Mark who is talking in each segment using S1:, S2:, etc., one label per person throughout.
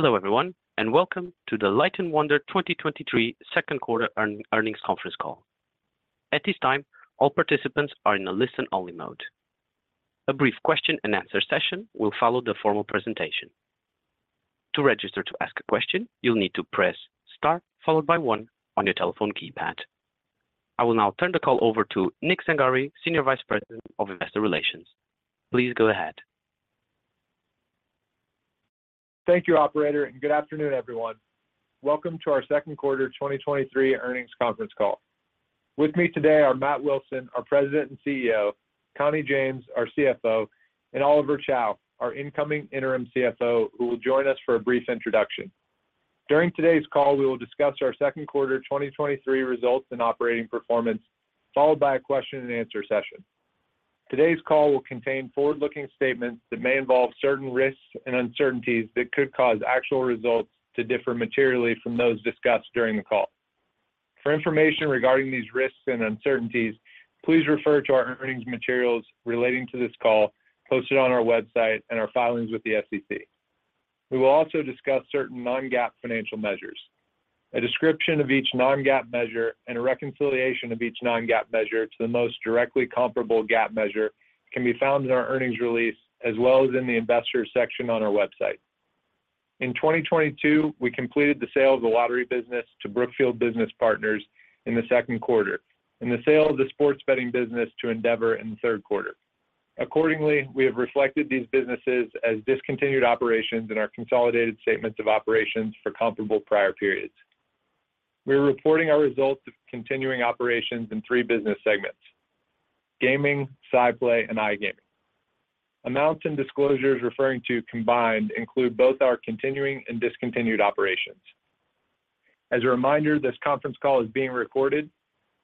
S1: Hello everyone, welcome to the Light & Wonder 2023 second quarter earnings conference call. At this time, all participants are in a listen-only mode. A brief question-and-answer session will follow the formal presentation. To register to ask a question, you'll need to press star followed by 1 on your telephone keypad. I will now turn the call over to Nick Zangari, Senior Vice President of Investor Relations. Please go ahead.
S2: Thank you, operator, and good afternoon, everyone. Welcome to our second quarter 2023 earnings conference call. With me today are Matt Wilson, our President and CEO, Connie James, our CFO, and Oliver Chow, our incoming interim CFO, who will join us for a brief introduction. During today's call, we will discuss our second quarter 2023 results and operating performance, followed by a question-and-answer session. Today's call will contain forward-looking statements that may involve certain risks and uncertainties that could cause actual results to differ materially from those discussed during the call. For information regarding thee risks and uncertainties, please refer to our earnings materials relating to this call, posted on our website and our filings with the SEC. We will also discuss certain non-GAAP financial measures. A description of each non-GAAP measure and a reconciliation of each non-GAAP measure to the most directly comparable GAAP measure can be found in our earnings release, as well as in the Investors section on our website. In 2022, we completed the sale of the lottery business to Brookfield Business Partners in the second quarter, and the sale of the sports betting business to Endeavor in the third quarter. Accordingly, we have reflected these businesses as discontinued operations in our consolidated statements of operations for comparable prior periods. We are reporting our results of continuing operations in three business segments: gaming, SciPlay, and iGaming. Amounts and disclosures referring to combined include both our continuing and discontinued operations. As a reminder, this conference call is being recorded.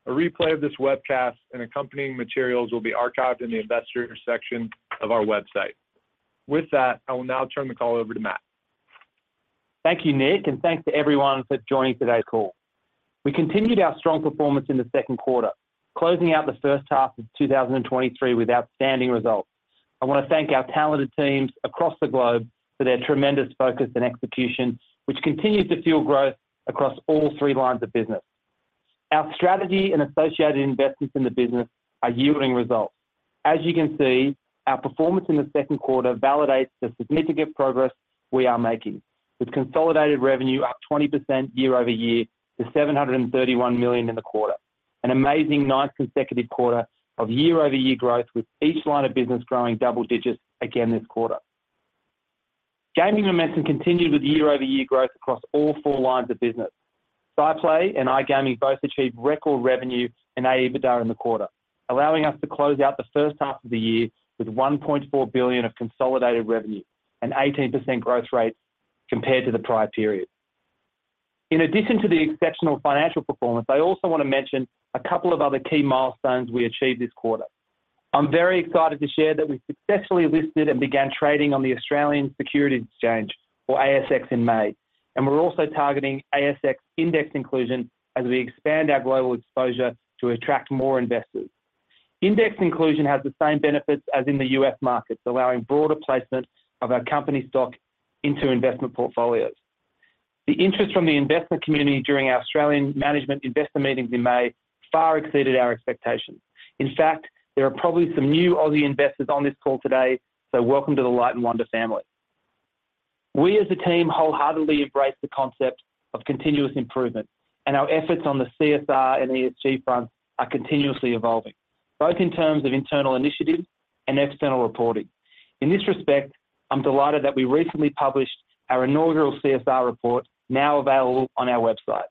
S2: A replay of this webcast and accompanying materials will be archived in the Investors section of our website. With that, I will now turn the call over to Matt.
S3: Thank you, Nick. Thanks to everyone for joining today's call. We continued our strong performance in the second quarter, closing out the first half of 2023 with outstanding results. I want to thank our talented teams across the globe for their tremendous focus and execution, which continues to fuel growth across all three lines of business. Our strategy and associated investments in the business are yielding results. As you can see, our performance in the second quarter validates the significant progress we are making, with consolidated revenue up 20% year-over-year to $731 million in the quarter. An amazing ninth consecutive quarter of year-over-year growth, with each line of business growing double digits again this quarter. Gaming momentum continued with year-over-year growth across all four lines of business. SciPlay and iGaming both achieved record revenue and EBITDA in the quarter, allowing us to close out the first half of the year with $1.4 billion of consolidated revenue and 18% growth rates compared to the prior period. In addition to the exceptional financial performance, I also want to mention a couple of other key milestones we achieved this quarter. I'm very excited to share that we successfully listed and began trading on the Australian Securities Exchange, or ASX, in May, we're also targeting ASX index inclusion as we expand our global exposure to attract more investors. Index inclusion has the same benefits as in the U.S. markets, allowing broader placement of our company stock into investment portfolios. The interest from the investment community during our Australian Management Investor meetings in May far exceeded our expectations. In fact, there are probably some new Aussie investors on this call today, so welcome to the Light & Wonder family. We as a team wholeheartedly embrace the concept of continuous improvement, and our efforts on the CSR and ESG front are continuously evolving, both in terms of internal initiatives and external reporting. In this respect, I'm delighted that we recently published our inaugural CSR report, now available on our website.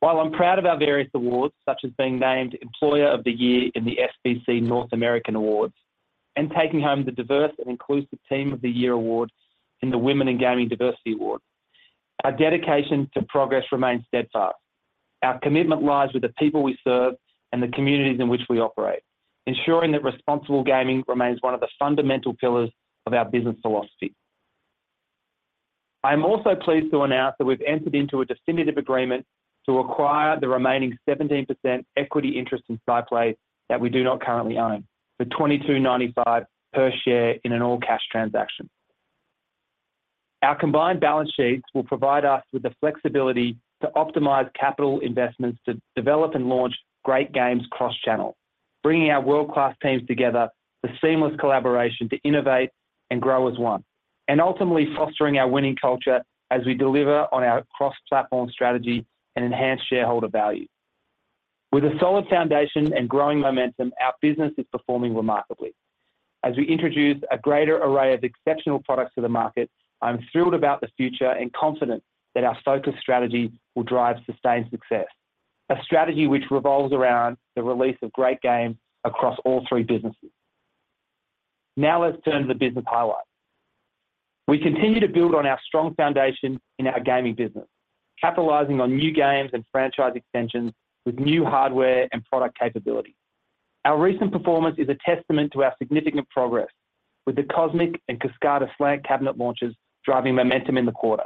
S3: While I'm proud of our various awards, such as being named Employer of the Year in the SBC North American Awards, and taking home the Diverse and Inclusive Team of the Year award in the Women in Gaming Diversity Award, our dedication to progress remains steadfast. Our commitment lies with the people we serve and the communities in which we operate, ensuring that responsible gaming remains one of the fundamental pillars of our business philosophy. I am also pleased to announce that we've entered into a definitive agreement to acquire the remaining 17% equity interest in SciPlay that we do not currently own, for $22.95 per share in an all-cash transaction. Our combined balance sheets will provide us with the flexibility to optimize capital investments to develop and launch great games cross-channel, bringing our world-class teams together for seamless collaboration to innovate and grow as one, and ultimately fostering our winning culture as we deliver on our cross-platform strategy and enhance shareholder value. With a solid foundation and growing momentum, our business is performing remarkably. As we introduce a greater array of exceptional products to the market, I'm thrilled about the future and confident that our focused strategy will drive sustained success, a strategy which revolves around the release of great games across all three businesses. Now, let's turn to the business highlights. We continue to build on our strong foundation in our gaming business, capitalizing on new games and franchise extensions with new hardware and product capability. Our recent performance is a testament to our significant progress, with the Cosmic and Kascada Slant cabinet launches driving momentum in the quarter.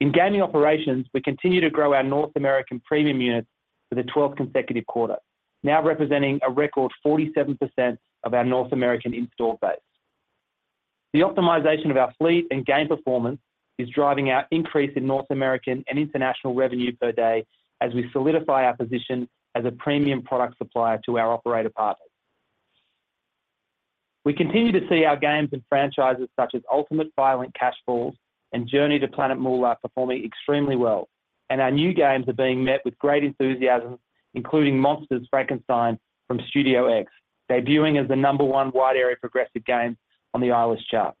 S3: In gaming operations, we continue to grow our North American premium units for the 12th consecutive quarter, now representing a record 47% of our North American install base. The optimization of our fleet and game performance is driving our increase in North American and international revenue per day as we solidify our position as a premium product supplier to our operator partners. We continue to see our games and franchises, such as Ultimate Violent Cash Falls and Journey to Planet Moolah, performing extremely well, and our new games are being met with great enthusiasm, including Monsters Frankenstein from Studio X, debuting as the number one wide area progressive game on the iOS chart.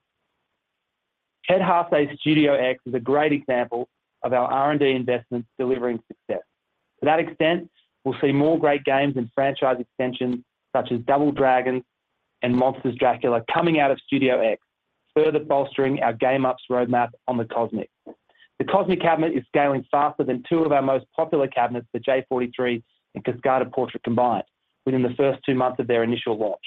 S3: Ted Hase's Studio X is a great example of our R&D investments delivering success. To that extent, we'll see more great games and franchise extensions such as Double Dragon and Monsters Dracula coming out of Studio X, further bolstering our game ups roadmap on the Cosmic. The Cosmic cabinet is scaling faster than two of our most popular cabinets, the J-43 and Cascada Portrait combined, within the first two months of their initial launch.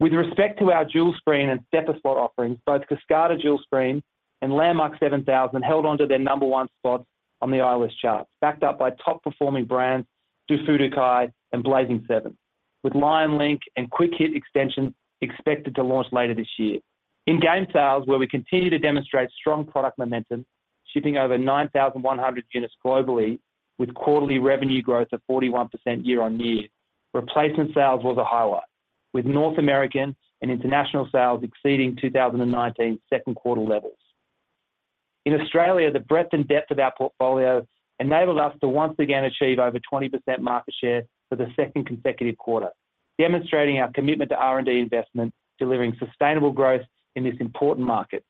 S3: With respect to our dual screen and step-up slot offerings, both Cascada Dual Screen and Landmark 7,000 held on to their number 1 spot on the iOS charts, backed up by top-performing brands, Dufu Kai and Blazing Seven, with Lion Link and Quick Hit Extension expected to launch later this year. In game sales, where we continue to demonstrate strong product momentum, shipping over 9,100 units globally with quarterly revenue growth of 41% year-on-year, replacement sales were the highlight, with North American and international sales exceeding 2019 second quarter levels. In Australia, the breadth and depth of our portfolio enabled us to once again achieve over 20% market share for the second consecutive quarter, demonstrating our commitment to R&D investment, delivering sustainable growth in this important market,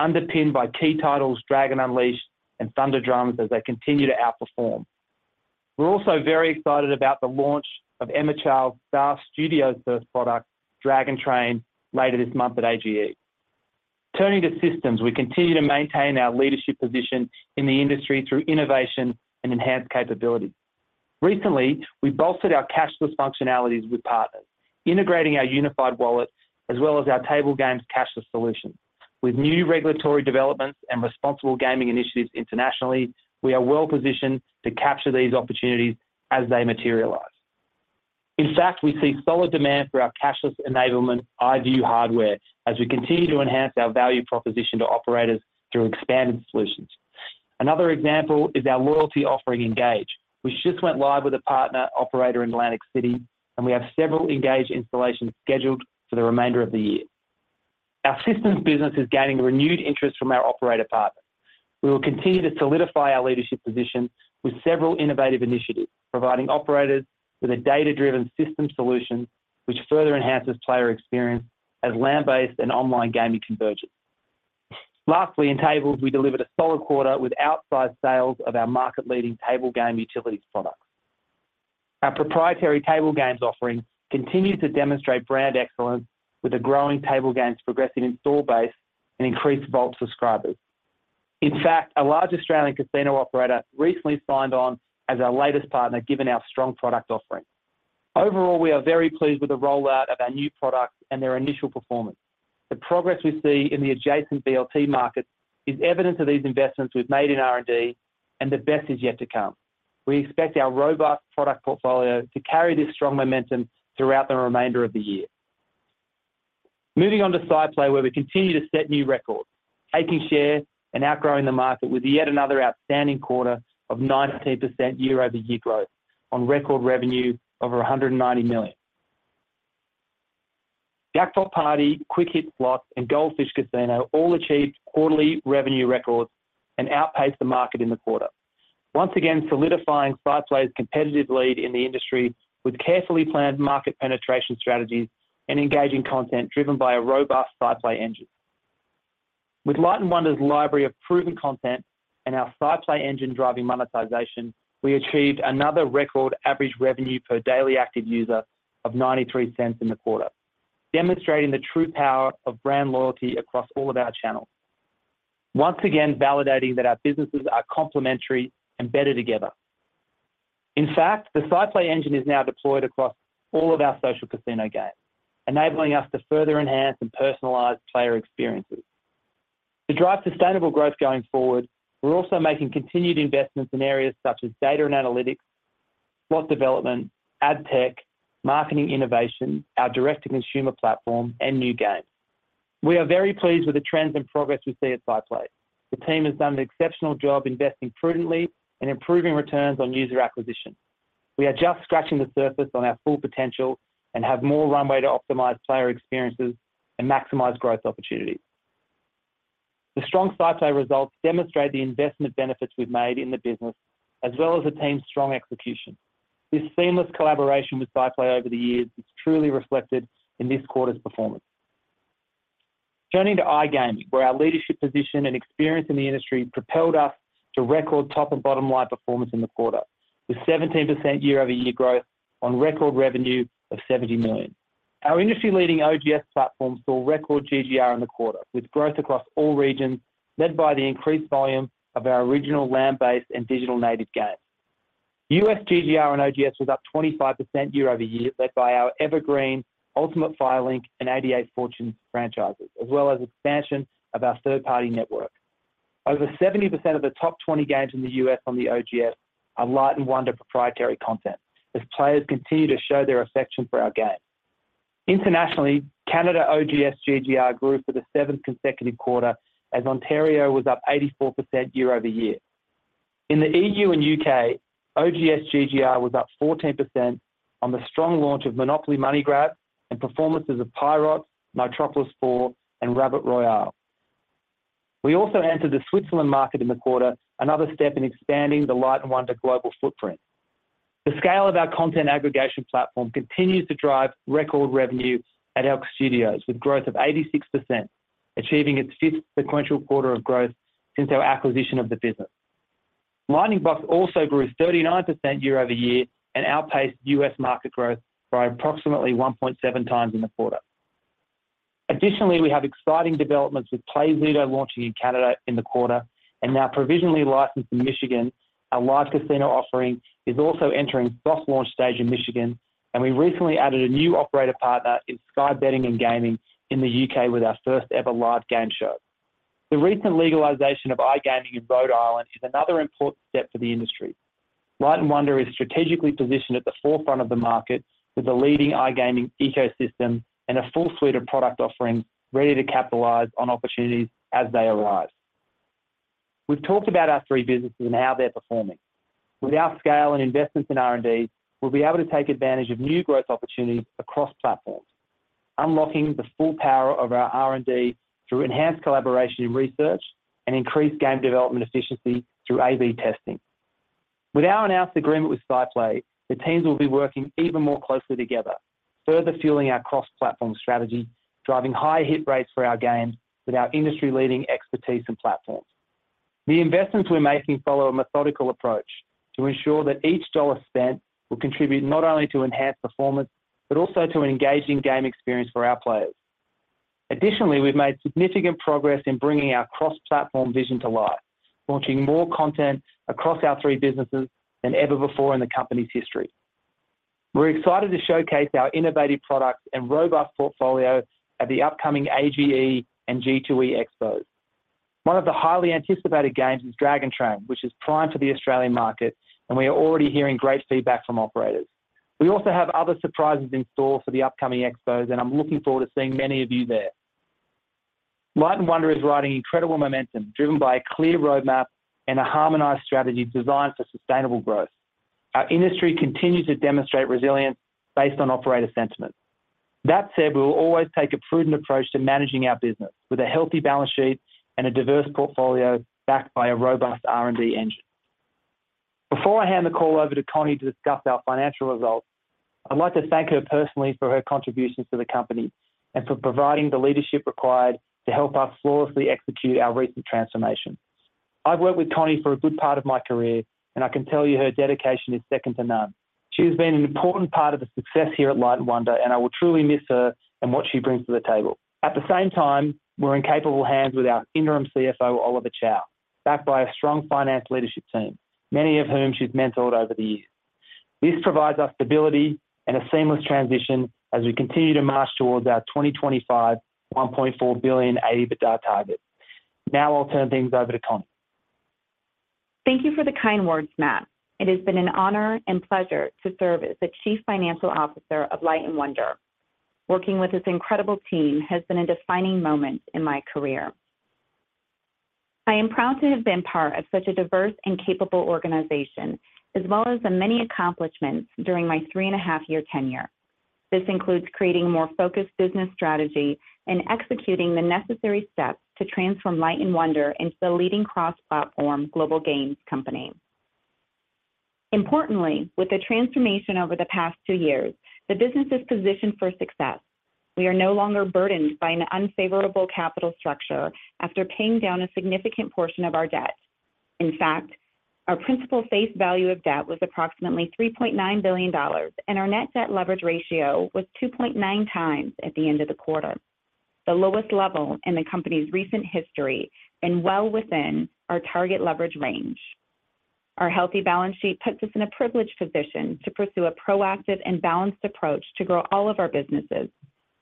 S3: underpinned by key titles Dragon Unleashed and Thunder Drums as they continue to outperform. We're also very excited about the launch of Emma Child, Star Studios first product, Dragon Train, later this month at AGE. Turning to systems, we continue to maintain our leadership position in the industry through innovation and enhanced capability. Recently, we bolstered our cashless functionalities with partners, integrating our unified wallet as well as our table games cashless solution. With new regulatory developments and responsible gaming initiatives internationally, we are well positioned to capture these opportunities as they materialize. In fact, we see solid demand for our cashless enablement iVIEW hardware as we continue to enhance our value proposition to operators through expanded solutions. Another example is our loyalty offering, Engage, which just went live with a partner operator in Atlantic City. We have several Engage installations scheduled for the remainder of the year. Our systems business is gaining renewed interest from our operator partners. We will continue to solidify our leadership position with several innovative initiatives, providing operators with a data-driven system solution, which further enhances player experience as land-based and online gaming converges. Lastly, in tables, we delivered a solid quarter with outsized sales of our market-leading table game utilities products. Our proprietary table games offering continued to demonstrate brand excellence with a growing table games progressing install base and increased vault subscribers. In fact, a large Australian casino operator recently signed on as our latest partner, given our strong product offerings. Overall, we are very pleased with the rollout of our new products and their initial performance. The progress we see in the adjacent VLT markets is evidence of these investments we've made in R&D, and the best is yet to come. We expect our robust product portfolio to carry this strong momentum throughout the remainder of the year. Moving on to SciPlay, where we continue to set new records, taking share and outgrowing the market with yet another outstanding quarter of 19% year-over-year growth on record revenue over $190 million. The Octopus Party, Quick Hit Slots, and Gold Fish Casino all achieved quarterly revenue records and outpaced the market in the quarter. Once again, solidifying SciPlay's competitive lead in the industry with carefully planned market penetration strategies and engaging content driven by a robust SciPlay Engine. With Light & Wonder's library of proven content and our SciPlay Engine driving monetization, we achieved another record average revenue per daily active user of $0.93 in the quarter, demonstrating the true power of brand loyalty across all of our channels. Once again, validating that our businesses are complementary and better together. In fact, the SciPlay engine is now deployed across all of our social casino games, enabling us to further enhance and personalize player experiences. To drive sustainable growth going forward, we're also making continued investments in areas such as data and analytics, slot development, ad tech, marketing innovation, our direct-to-consumer platform, and new games. We are very pleased with the trends and progress we see at SciPlay. The team has done an exceptional job investing prudently and improving returns on user acquisition. We are just scratching the surface on our full potential and have more runway to optimize player experiences and maximize growth opportunities. The strong SciPlay results demonstrate the investment benefits we've made in the business, as well as the team's strong execution. This seamless collaboration with SciPlay over the years is truly reflected in this quarter's performance. Turning to iGaming, where our leadership position and experience in the industry propelled us to record top and bottom-line performance in the quarter, with 17% year-over-year growth on record revenue of $70 million. Our industry-leading OGS platform saw record GGR in the quarter, with growth across all regions, led by the increased volume of our original land-based and digital native games. U.S. GGR and OGS was up 25% year-over-year, led by our evergreen Ultimate Fire Link and 88 Fortunes franchises, as well as expansion of our third-party network. Over 70% of the top 20 games in the U.S. on the OGS are Light & Wonder proprietary content, as players continue to show their affection for our games. Internationally, Canada OGS GGR grew for the 7th consecutive quarter, as Ontario was up 84% year-over-year. In the EU and UK, OGS GGR was up 14% on the strong launch of MONOPOLY Money Grab and performances of Pirate, Metropolis Four, and Rabbit Royale. We also entered the Switzerland market in the quarter, another step in expanding the Light & Wonder global footprint. The scale of our content aggregation platform continues to drive record revenue at ELK Studios, with growth of 86%, achieving its 5th sequential quarter of growth since our acquisition of the business. Lightning Box also grew 39% year-over-year and outpaced US market growth by approximately 1.7 times in the quarter. Additionally, we have exciting developments with PlayZido launching in Canada in the quarter and now provisionally licensed in Michigan. Our live casino offering is also entering soft launch stage in Michigan, and we recently added a new operator partner in Sky Betting and Gaming in the U.K. with our first-ever live game show. The recent legalization of iGaming in Rhode Island is another important step for the industry. Light & Wonder is strategically positioned at the forefront of the market with a leading iGaming ecosystem and a full suite of product offerings ready to capitalize on opportunities as they arise. We've talked about our three businesses and how they're performing. With our scale and investments in R&D, we'll be able to take advantage of new growth opportunities across platforms, unlocking the full power of our R&D through enhanced collaboration in research and increased game development efficiency through A/B testing. With our announced agreement with SciPlay, the teams will be working even more closely together, further fueling our cross-platform strategy, driving high hit rates for our games with our industry-leading expertise and platforms. The investments we're making follow a methodical approach to ensure that each dollar spent will contribute not only to enhanced performance, but also to an engaging game experience for our players. Additionally, we've made significant progress in bringing our cross-platform vision to life, launching more content across our three businesses than ever before in the company's history. We're excited to showcase our innovative products and robust portfolio at the upcoming AGE and G2E expos. One of the highly anticipated games is Dragon Train, which is primed for the Australian market, and we are already hearing great feedback from operators. We also have other surprises in store for the upcoming expos, and I'm looking forward to seeing many of you there. Light & Wonder is riding incredible momentum, driven by a clear roadmap and a harmonized strategy designed for sustainable growth. Our industry continues to demonstrate resilience based on operator sentiment. That said, we will always take a prudent approach to managing our business with a healthy balance sheet and a diverse portfolio backed by a robust R&D engine. Before I hand the call over to Connie to discuss our financial results, I'd like to thank her personally for her contributions to the company and for providing the leadership required to help us flawlessly execute our recent transformation. I've worked with Connie for a good part of my career, and I can tell you her dedication is second to none. She has been an important part of the success here at Light & Wonder, and I will truly miss her and what she brings to the table. At the same time, we're in capable hands with our interim CFO, Oliver Chow, backed by a strong finance leadership team, many of whom she's mentored over the years. This provides us stability and a seamless transition as we continue to march towards our 2025, $1.4 billion EBITDA target. Now I'll turn things over to Connie.
S4: Thank you for the kind words, Matt. It has been an honor and pleasure to serve as the Chief Financial Officer of Light & Wonder. Working with this incredible team has been a defining moment in my career. I am proud to have been part of such a diverse and capable organization, as well as the many accomplishments during my three-and-a-half-year tenure. This includes creating a more focused business strategy and executing the necessary steps to transform Light & Wonder into the leading cross-platform global games company. Importantly, with the transformation over the past two years, the business is positioned for success. We are no longer burdened by an unfavorable capital structure after paying down a significant portion of our debt. In fact, our principal face value of debt was approximately $3.9 billion, and our net debt leverage ratio was 2.9x at the end of the quarter, the lowest level in the company's recent history and well within our target leverage range. Our healthy balance sheet puts us in a privileged position to pursue a proactive and balanced approach to grow all of our businesses,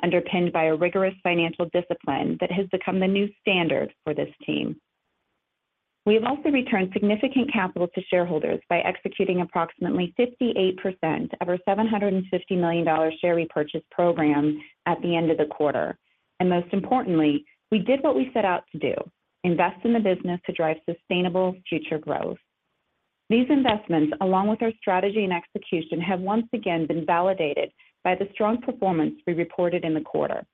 S4: underpinned by a rigorous financial discipline that has become the new standard for this team. We have also returned significant capital to shareholders by executing approximately 58% of our $750 million share repurchase program at the end of the quarter. Most importantly, we did what we set out to do: invest in the business to drive sustainable future growth. These investments, along with our strategy and execution, have once again been validated by the strong performance we reported in the quarter.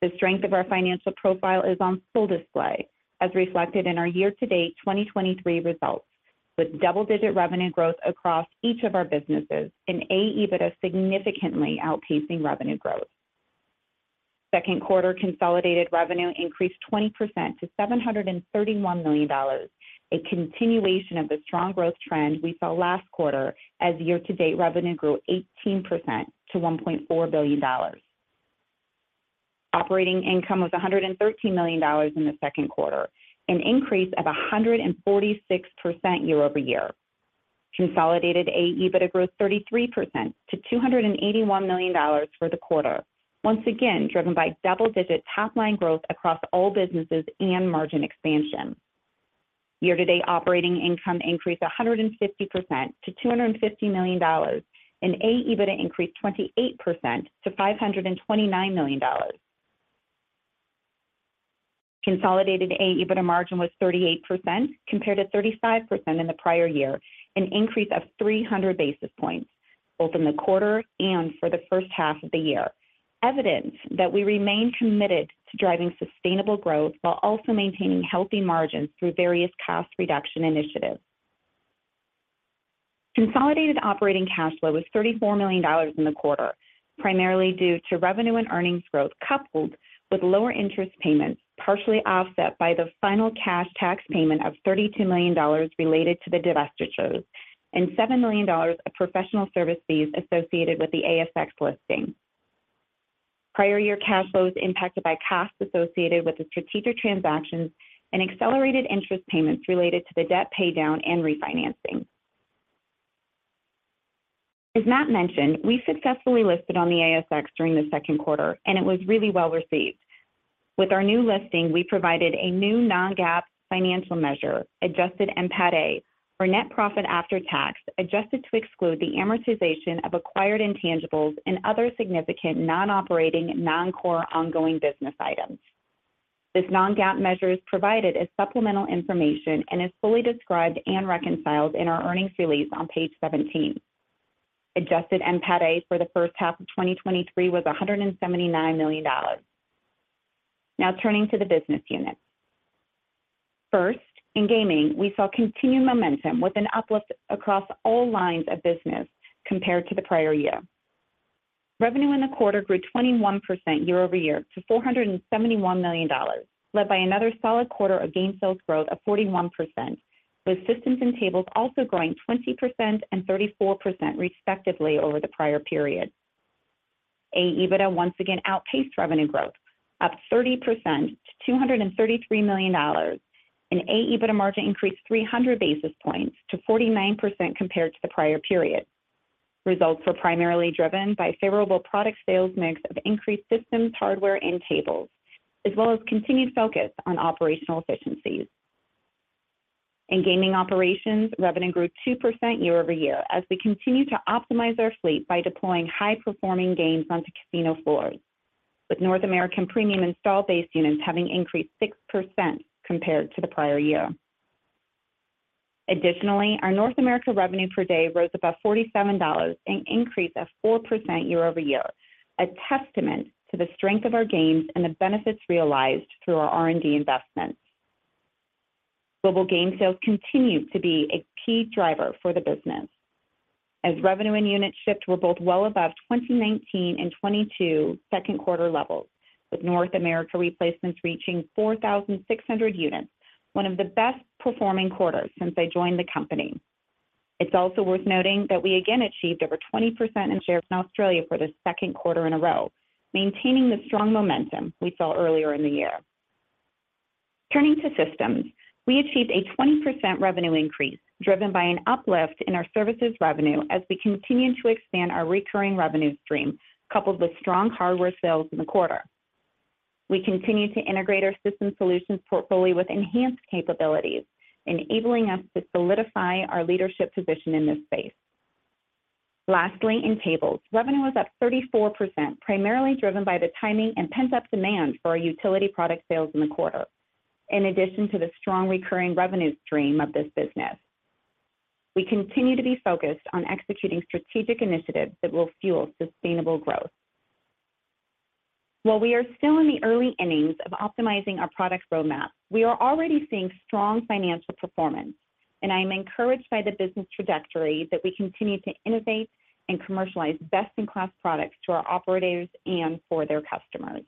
S4: The strength of our financial profile is on full display, as reflected in our year-to-date 2023 results, with double-digit revenue growth across each of our businesses and AEBITDA significantly outpacing revenue growth. Second quarter consolidated revenue increased 20% to $731 million, a continuation of the strong growth trend we saw last quarter as year-to-date revenue grew 18% to $1.4 billion. Operating income was $113 million in the second quarter, an increase of 146% year-over-year. Consolidated AEBITDA growth 33% to $281 million for the quarter, once again, driven by double-digit top-line growth across all businesses and margin expansion. Year-to-date operating income increased 150% to $250 million. AEBITDA increased 28% to $529 million. Consolidated AEBITDA margin was 38%, compared to 35% in the prior year, an increase of 300 basis points, both in the quarter and for the first half of the year. Evidence that we remain committed to driving sustainable growth while also maintaining healthy margins through various cost reduction initiatives. Consolidated operating cash flow was $34 million in the quarter, primarily due to revenue and earnings growth, coupled with lower interest payments, partially offset by the final cash tax payment of $32 million related to the divestitures, and $7 million of professional services associated with the ASX listing. Prior year cash flows impacted by costs associated with the strategic transactions and accelerated interest payments related to the debt paydown and refinancing. As Matt mentioned, we successfully listed on the ASX during the second quarter. It was really well-received. With our new listing, we provided a new non-GAAP financial measure, adjusted NPAT-A, for net profit after tax, adjusted to exclude the amortization of acquired intangibles and other significant non-operating, non-core ongoing business items. This non-GAAP measure is provided as supplemental information and is fully described and reconciled in our earnings release on page 17. Adjusted NPAT-A for the first half of 2023 was $179 million. Now, turning to the business units. First, in gaming, we saw continued momentum with an uplift across all lines of business compared to the prior year. Revenue in the quarter grew 21% year-over-year to $471 million, led by another solid quarter of game sales growth of 41%, with systems and tables also growing 20% and 34% respectively over the prior period. AEBITDA once again outpaced revenue growth, up 30% to $233 million, and AEBITDA margin increased 300 basis points to 49% compared to the prior period. Results were primarily driven by favorable product sales mix of increased systems, hardware, and tables, as well as continued focus on operational efficiencies. In gaming operations, revenue grew 2% year-over-year as we continue to optimize our fleet by deploying high-performing games onto casino floors, with North American premium installed base units having increased 6% compared to the prior year. Additionally, our North America revenue per day rose above $47, an increase of 4% year-over-year, a testament to the strength of our games and the benefits realized through our R&D investments. Global game sales continued to be a key driver for the business as revenue and units shipped were both well above 2019 and 2022 second quarter levels, with North America replacements reaching 4,600 units, one of the best performing quarters since I joined the company. It's also worth noting that we again achieved over 20% in shares in Australia for the second quarter in a row, maintaining the strong momentum we saw earlier in the year. Turning to systems, we achieved a 20% revenue increase, driven by an uplift in our services revenue as we continue to expand our recurring revenue stream, coupled with strong hardware sales in the quarter. We continue to integrate our system solutions portfolio with enhanced capabilities, enabling us to solidify our leadership position in this space. Lastly, in tables, revenue was up 34%, primarily driven by the timing and pent-up demand for our utility product sales in the quarter. In addition to the strong recurring revenue stream of this business, we continue to be focused on executing strategic initiatives that will fuel sustainable growth. While we are still in the early innings of optimizing our product roadmap, we are already seeing strong financial performance, and I am encouraged by the business trajectory that we continue to innovate and commercialize best-in-class products to our operators and for their customers.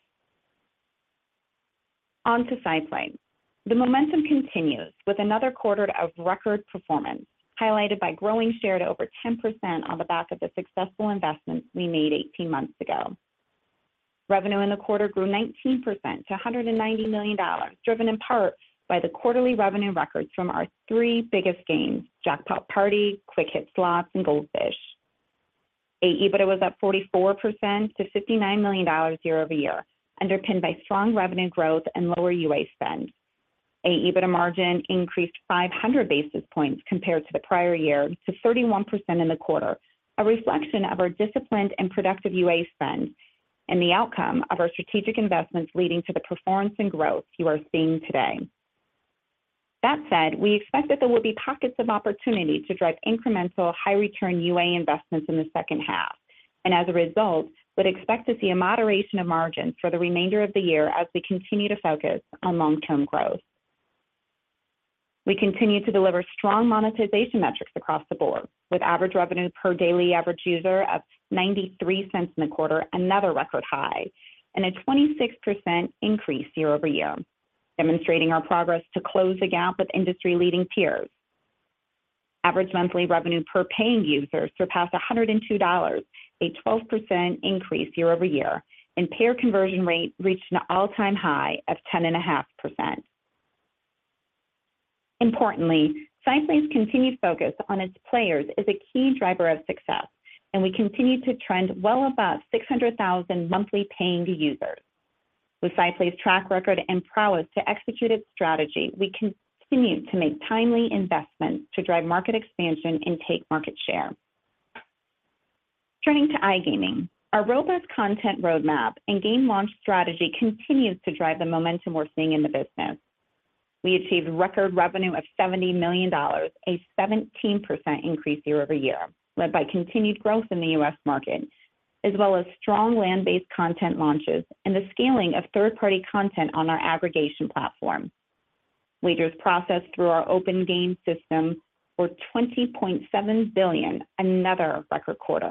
S4: On to SciPlay. The momentum continues with another quarter of record performance, highlighted by growing share to over 10% on the back of the successful investments we made 18 months ago. Revenue in the quarter grew 19% to $190 million, driven in part by the quarterly revenue records from our three biggest games, Jackpot Party, Quick Hit Slots, and Goldfish. AEBITDA was up 44% to $59 million year-over-year, underpinned by strong revenue growth and lower UA spend. AEBITDA margin increased 500 basis points compared to the prior year to 31% in the quarter, a reflection of our disciplined and productive UA spend and the outcome of our strategic investments leading to the performance and growth you are seeing today. That said, we expect that there will be pockets of opportunity to drive incremental high return UA investments in the second half, and as a result, would expect to see a moderation of margins for the remainder of the year as we continue to focus on long-term growth. We continue to deliver strong monetization metrics across the board, with average revenue per daily average user of $0.93 in the quarter, another record high, and a 26% increase year-over-year, demonstrating our progress to close the gap with industry-leading peers. Average monthly revenue per paying user surpassed $102, a 12% increase year-over-year, and payer conversion rate reached an all-time high of 10.5%. Importantly, SciPlay's continued focus on its players is a key driver of success, and we continue to trend well above 600,000 monthly paying users. With SciPlay's track record and prowess to execute its strategy, we continue to make timely investments to drive market expansion and take market share. Turning to iGaming, our robust content roadmap and game launch strategy continues to drive the momentum we're seeing in the business. We achieved record revenue of $70 million, a 17% increase year-over-year, led by continued growth in the US market, as well as strong land-based content launches and the scaling of third-party content on our aggregation platform. Wagers processed through our Open Game System were $20.7 billion, another record quarter.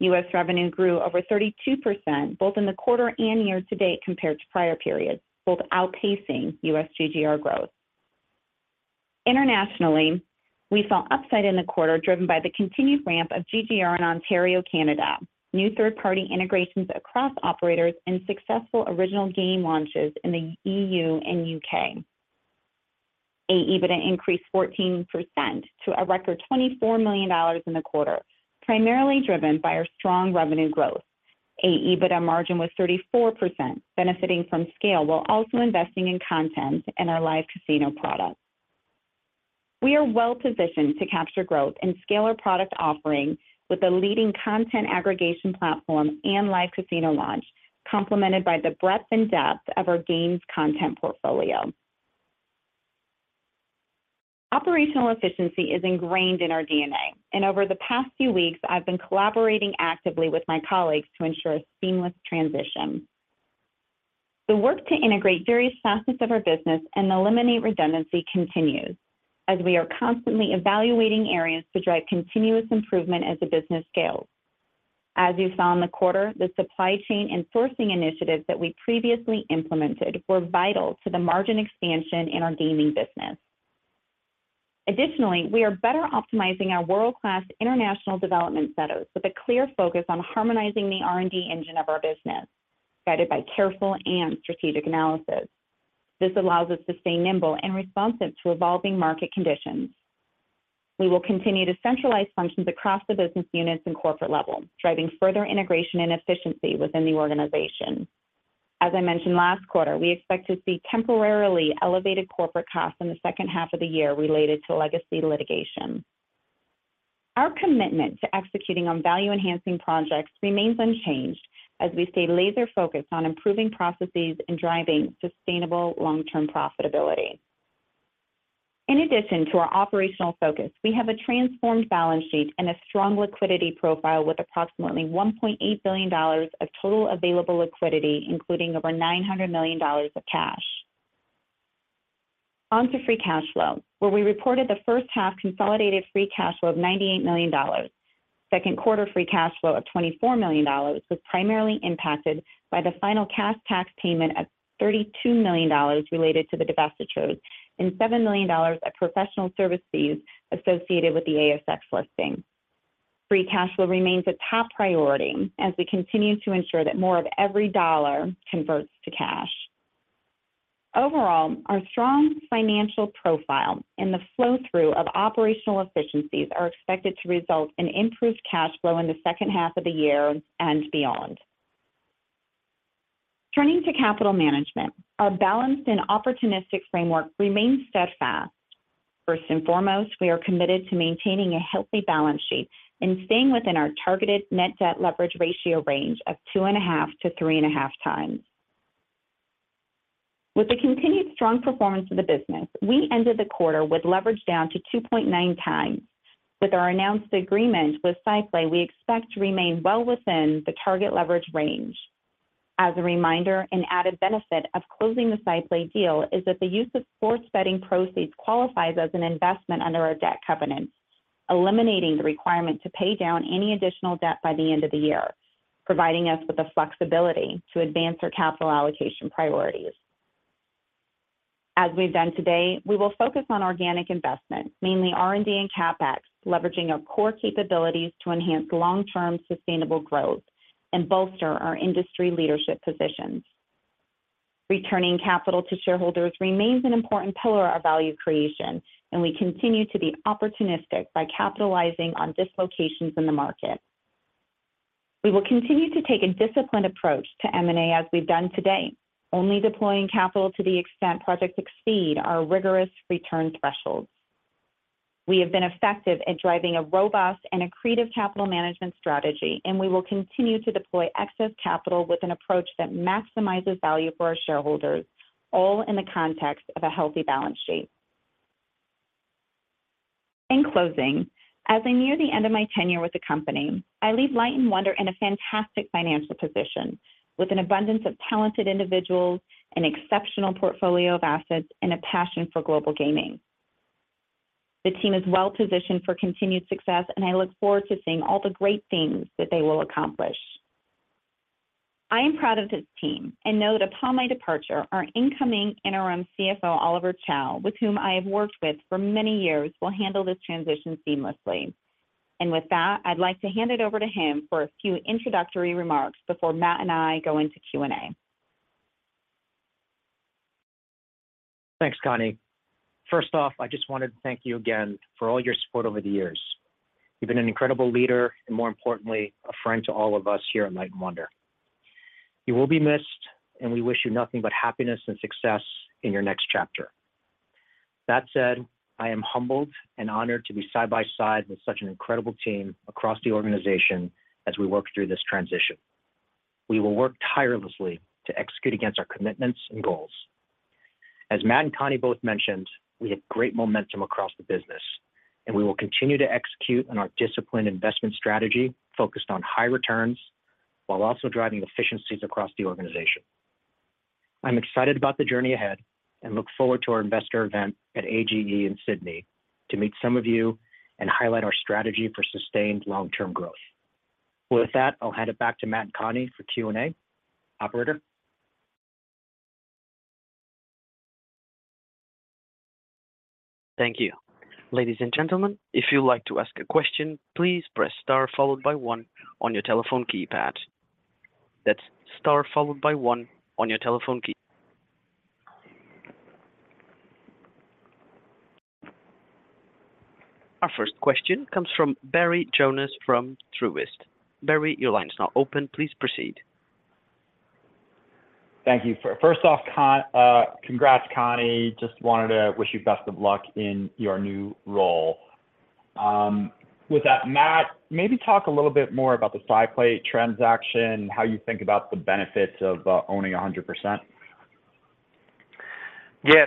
S4: US revenue grew over 32%, both in the quarter and year-to-date, compared to prior periods, both outpacing US GGR growth. Internationally, we saw upside in the quarter, driven by the continued ramp of GGR in Ontario, Canada, new third-party integrations across operators, and successful original game launches in the EU and UK. AEBITDA increased 14% to a record $24 million in the quarter, primarily driven by our strong revenue growth. AEBITDA margin was 34%, benefiting from scale, while also investing in content and our live casino product. We are well-positioned to capture growth and scale our product offering with a leading content aggregation platform and live casino launch, complemented by the breadth and depth of our games content portfolio. Operational efficiency is ingrained in our DNA, and over the past few weeks, I've been collaborating actively with my colleagues to ensure a seamless transition. The work to integrate various facets of our business and eliminate redundancy continues as we are constantly evaluating areas to drive continuous improvement as the business scales. As you saw in the quarter, the supply chain and sourcing initiatives that we previously implemented were vital to the margin expansion in our gaming business. Additionally, we are better optimizing our world-class international development centers with a clear focus on harmonizing the R&D engine of our business, guided by careful and strategic analysis. This allows us to stay nimble and responsive to evolving market conditions. We will continue to centralize functions across the business units and corporate level, driving further integration and efficiency within the organization. As I mentioned last quarter, we expect to see temporarily elevated corporate costs in the second half of the year related to legacy litigation. Our commitment to executing on value-enhancing projects remains unchanged as we stay laser-focused on improving processes and driving sustainable long-term profitability. In addition to our operational focus, we have a transformed balance sheet and a strong liquidity profile with approximately $1.8 billion of total available liquidity, including over $900 million of cash. On to free cash flow, where we reported the first half consolidated free cash flow of $98 million. Second quarter free cash flow of $24 million was primarily impacted by the final cash tax payment of $32 million related to the divestitures and $7 million of professional service fees associated with the ASX listing. Free cash flow remains a top priority as we continue to ensure that more of every dollar converts to cash. Overall, our strong financial profile and the flow-through of operational efficiencies are expected to result in improved cash flow in the second half of the year and beyond. Turning to capital management, our balanced and opportunistic framework remains steadfast. First and foremost, we are committed to maintaining a healthy balance sheet and staying within our targeted net debt leverage ratio range of 2.5-3.5 times. With the continued strong performance of the business, we ended the quarter with leverage down to 2.9 times. With our announced agreement with SciPlay, we expect to remain well within the target leverage range. As a reminder, an added benefit of closing the SciPlay deal is that the use of sports betting proceeds qualifies as an investment under our debt covenants, eliminating the requirement to pay down any additional debt by the end of the year, providing us with the flexibility to advance our capital allocation priorities. As we've done today, we will focus on organic investment, mainly R&D and CapEx, leveraging our core capabilities to enhance long-term sustainable growth and bolster our industry leadership positions. Returning capital to shareholders remains an important pillar of value creation, and we continue to be opportunistic by capitalizing on dislocations in the market. We will continue to take a disciplined approach to M&A as we've done today, only deploying capital to the extent projects exceed our rigorous return thresholds. We have been effective at driving a robust and accretive capital management strategy, and we will continue to deploy excess capital with an approach that maximizes value for our shareholders, all in the context of a healthy balance sheet. In closing, as I near the end of my tenure with the company, I leave Light & Wonder in a fantastic financial position, with an abundance of talented individuals, an exceptional portfolio of assets, and a passion for global gaming. The team is well-positioned for continued success, and I look forward to seeing all the great things that they will accomplish.... I am proud of this team and know that upon my departure, our Incoming Interim CFO, Oliver Chow, with whom I have worked with for many years, will handle this transition seamlessly. With that, I'd like to hand it over to him for a few introductory remarks before Matt and I go into Q&A.
S5: Thanks, Connie. First off, I just wanted to thank you again for all your support over the years. You've been an incredible leader, and more importantly, a friend to all of us here at Light & Wonder. You will be missed, and we wish you nothing but happiness and success in your next chapter. That said, I am humbled and honored to be side by side with such an incredible team across the organization as we work through this transition. We will work tirelessly to execute against our commitments and goals. As Matt and Connie both mentioned, we have great momentum across the business, and we will continue to execute on our disciplined investment strategy, focused on high returns, while also driving efficiencies across the organization. I'm excited about the journey ahead and look forward to our investor event at AGE in Sydney to meet some of you and highlight our strategy for sustained long-term growth. With that, I'll hand it back to Matt and Connie for Q&A. Operator?
S1: Thank you. Ladies and gentlemen, if you'd like to ask a question, please press Star followed by 1 on your telephone keypad. That's Star followed by 1 on your telephone key. Our first question comes from Barry Jonas from Truist. Barry, your line is now open. Please proceed.
S6: Thank you. First off, Con, congrats, Connie. Just wanted to wish you best of luck in your new role. With that, Matt, maybe talk a little bit more about the SciPlay transaction, how you think about the benefits of owning a hundred percent.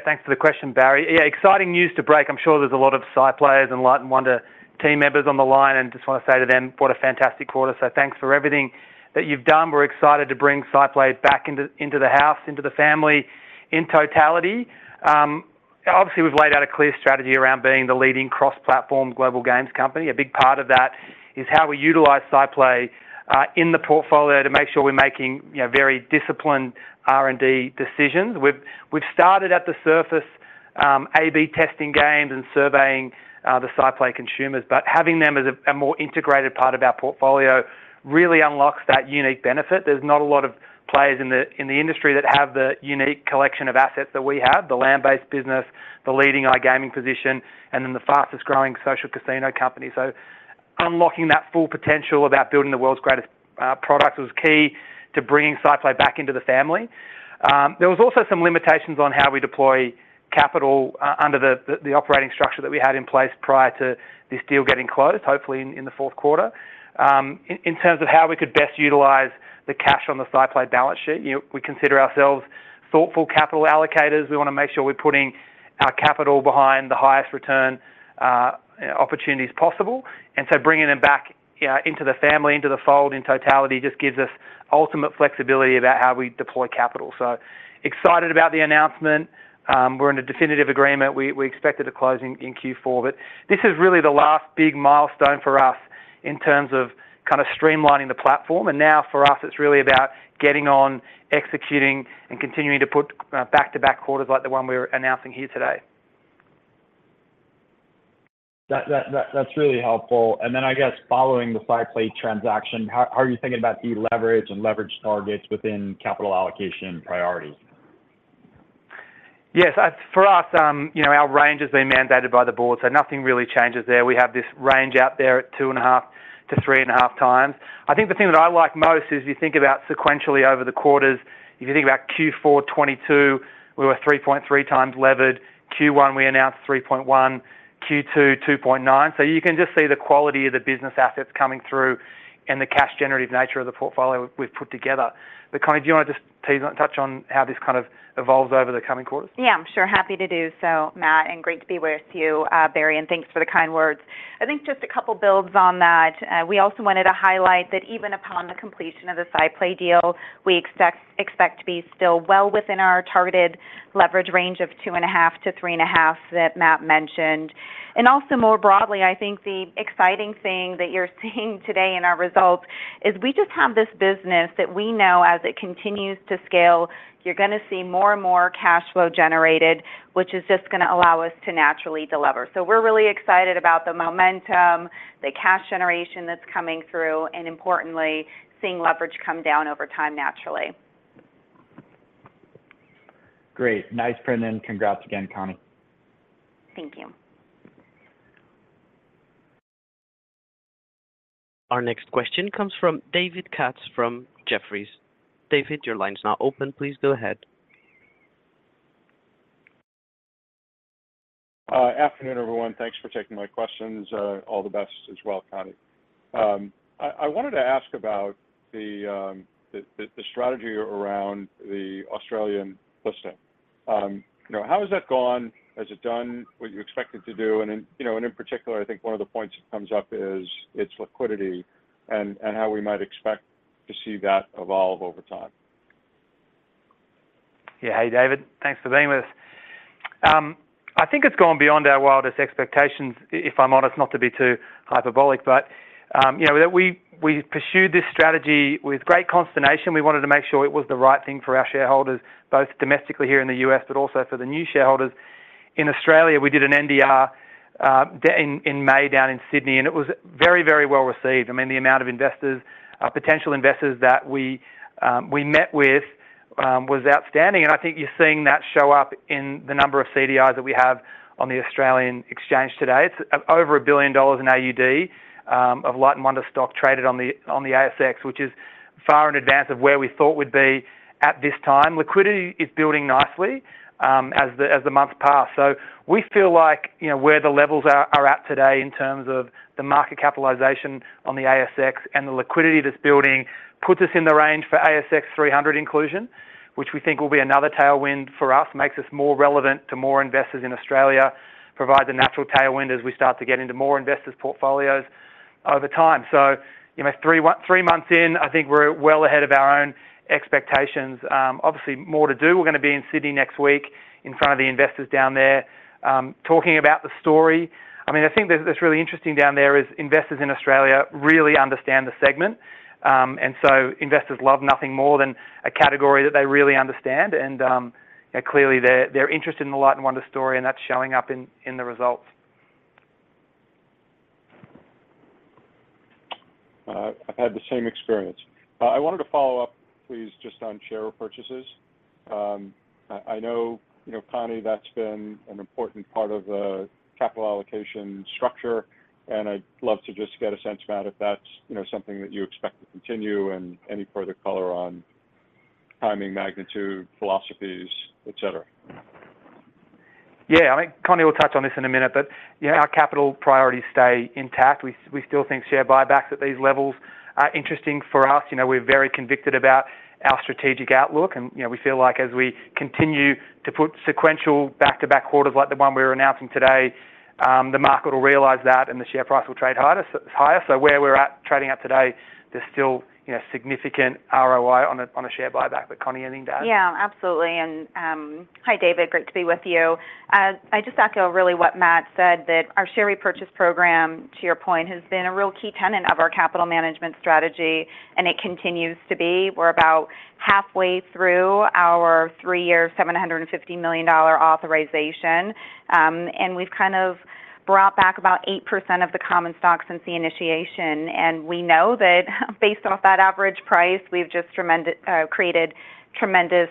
S3: Thanks for the question, Barry. Exciting news to break. I'm sure there's a lot of SciPlay and Light & Wonder team members on the line, and just want to say to them, what a fantastic quarter. Thanks for everything that you've done. We're excited to bring SciPlay back into, into the house, into the family in totality. Obviously, we've laid out a clear strategy around being the leading cross-platform global games company. A big part of that is how we utilize SciPlay in the portfolio to make sure we're making, you know, very disciplined R&D decisions. We've started at the surface, A/B testing games and surveying the SciPlay consumers, but having them as a, a more integrated part of our portfolio really unlocks that unique benefit. There's not a lot of players in the industry that have the unique collection of assets that we have, the land-based business, the leading iGaming position, and then the fastest-growing social casino company. Unlocking that full potential about building the world's greatest product was key to bringing SciPlay back into the family. There was also some limitations on how we deploy capital under the operating structure that we had in place prior to this deal getting closed, hopefully in the fourth quarter. In terms of how we could best utilize the cash on the SciPlay balance sheet, you know, we consider ourselves thoughtful capital allocators. We wanna make sure we're putting our capital behind the highest return opportunities possible. Bringing them back, yeah, into the family, into the fold in totality, just gives us ultimate flexibility about how we deploy capital. Excited about the announcement. We're in a definitive agreement. We expected a closing in Q4, but this is really the last big milestone for us in terms of kind of streamlining the platform. Now for us, it's really about getting on, executing, and continuing to put back-to-back quarters like the one we're announcing here today.
S6: That's really helpful. Then, I guess, following the SciPlay transaction, how are you thinking about deleveraging and leverage targets within capital allocation priorities?
S3: Yes, for us, you know, our range has been mandated by the board, so nothing really changes there. We have this range out there at 2.5x-3.5x. I think the thing that I like most is you think about sequentially over the quarters. If you think about Q4 2022, we were 3.3x levered. Q1, we announced 3.1, Q2, 2.9. You can just see the quality of the business assets coming through and the cash generative nature of the portfolio we've put together. Connie, do you want to just touch on how this kind of evolves over the coming quarters?
S4: Yeah, I'm sure, happy to do so, Matt, and great to be with you, Barry, and thanks for the kind words. I think just a couple builds on that. We also wanted to highlight that even upon the completion of the SciPlay deal, we expect to be still well within our targeted leverage range of 2.5-3.5 that Matt mentioned. Also, more broadly, I think the exciting thing that you're seeing today in our results is we just have this business that we know as it continues to scale, you're gonna see more and more cash flow generated, which is just gonna allow us to naturally delever. We're really excited about the momentum, the cash generation that's coming through, and importantly, seeing leverage come down over time, naturally.
S6: Great. Nice print, and congrats again, Connie.
S4: Thank you.
S1: Our next question comes from David Katz from Jefferies. David, your line is now open. Please go ahead.
S7: Afternoon, everyone. Thanks for taking my questions. All the best as well, Connie. I, I wanted to ask about the, the, the, the strategy around the Australian listing. You know, how has that gone? Has it done what you expected to do? In, you know, and in particular, I think one of the points that comes up is its liquidity and, and how we might expect to see that evolve over time....
S3: Yeah. Hey, David. Thanks for being with us. I think it's gone beyond our wildest expectations, if I'm honest, not to be too hyperbolic, but, you know, that we, we pursued this strategy with great consternation. We wanted to make sure it was the right thing for our shareholders, both domestically here in the US, but also for the new shareholders. In Australia, we did an NDR in May down in Sydney, and it was very, very well received. I mean, the amount of investors, potential investors that we met with, was outstanding, and I think you're seeing that show up in the number of CDIs that we have on the Australian Exchange today. It's over 1 billion dollars of Light & Wonder stock traded on the ASX, which is far in advance of where we thought we'd be at this time. Liquidity is building nicely as the months pass. We feel like, you know, where the levels are, are at today in terms of the market capitalization on the ASX and the liquidity that's building puts us in the range for ASX 300 inclusion, which we think will be another tailwind for us, makes us more relevant to more investors in Australia, provides a natural tailwind as we start to get into more investors' portfolios over time. You know, three months, three months in, I think we're well ahead of our own expectations. Obviously, more to do. We're gonna be in Sydney next week in front of the investors down there, talking about the story. I mean, I think that what's really interesting down there is investors in Australia really understand the segment. So investors love nothing more than a category that they really understand, and clearly, they're, they're interested in the Light & Wonder story, and that's showing up in, in the results.
S7: I've had the same experience. I wanted to follow up, please, just on share purchases. I know, Connie, that's been an important part of the capital allocation structure, and I'd love to just get a sense, Matt, if that's something that you expect to continue, and any further color on timing, magnitude, philosophies, et cetera.
S3: Yeah, I think Connie will touch on this in a minute, but, yeah, our capital priorities stay intact. We, we still think share buybacks at these levels are interesting for us. You know, we're very convicted about our strategic outlook, and, you know, we feel like as we continue to put sequential back-to-back quarters like the one we're announcing today, the market will realize that, and the share price will trade higher, so higher. Where we're at, trading at today, there's still, you know, significant ROI on a, on a share buyback. Connie, anything to add?
S4: Yeah, absolutely. Hi, David, great to be with you. I just echo really what Matt said, that our share repurchase program, to your point, has been a real key tenet of our capital management strategy, and it continues to be. We're about halfway through our 3-year, $750 million authorization. We've kind of brought back about 8% of the common stock since the initiation. We know that based off that average price, we've just created tremendous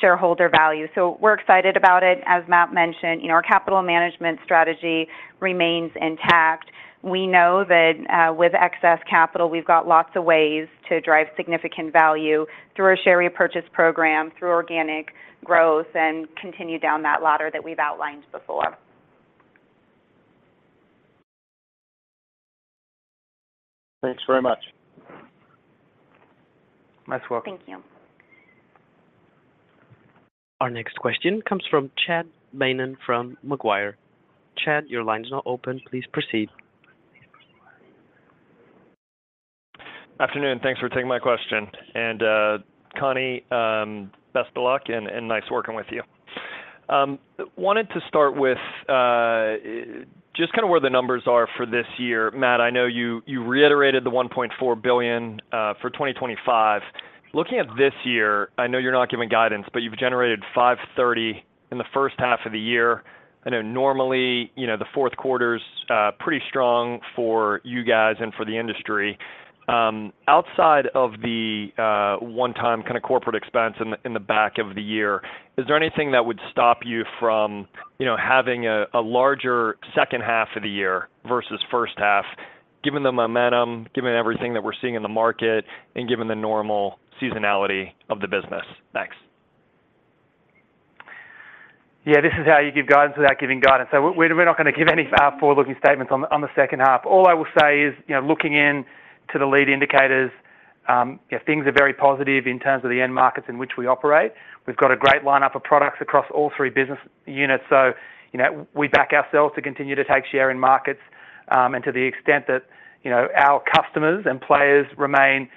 S4: shareholder value. We're excited about it. As Matt mentioned, you know, our capital management strategy remains intact. We know that with excess capital, we've got lots of ways to drive significant value through our share repurchase program, through organic growth, and continue down that ladder that we've outlined before.
S7: Thanks very much.
S3: Most welcome.
S4: Thank you.
S1: Our next question comes from Chad Beynon from Macquarie. Chad, your line is now open. Please proceed.
S8: Afternoon, thanks for taking my question. Connie James, best of luck, and nice working with you. Wanted to start with just kind of where the numbers are for this year. Matt Wilson, I know you reiterated the $1.4 billion for 2025. Looking at this year, I know you're not giving guidance, but you've generated $530 million in the first half of the year. I know normally, you know, the fourth quarter's pretty strong for you guys and for the industry. Outside of the one-time kind of corporate expense in the back of the year, is there anything that would stop you from, you know, having a larger second half of the year versus first half, given the momentum, given everything that we're seeing in the market, and given the normal seasonality of the business? Thanks.
S3: Yeah, this is how you give guidance without giving guidance. We're, we're not gonna give any forward-looking statements on the, on the second half. All I will say is, you know, looking into the lead indicators, yeah, things are very positive in terms of the end markets in which we operate. We've got a great lineup of products across all three business units, so, you know, we back ourselves to continue to take share in markets. And to the extent that, you know, our customers and players remain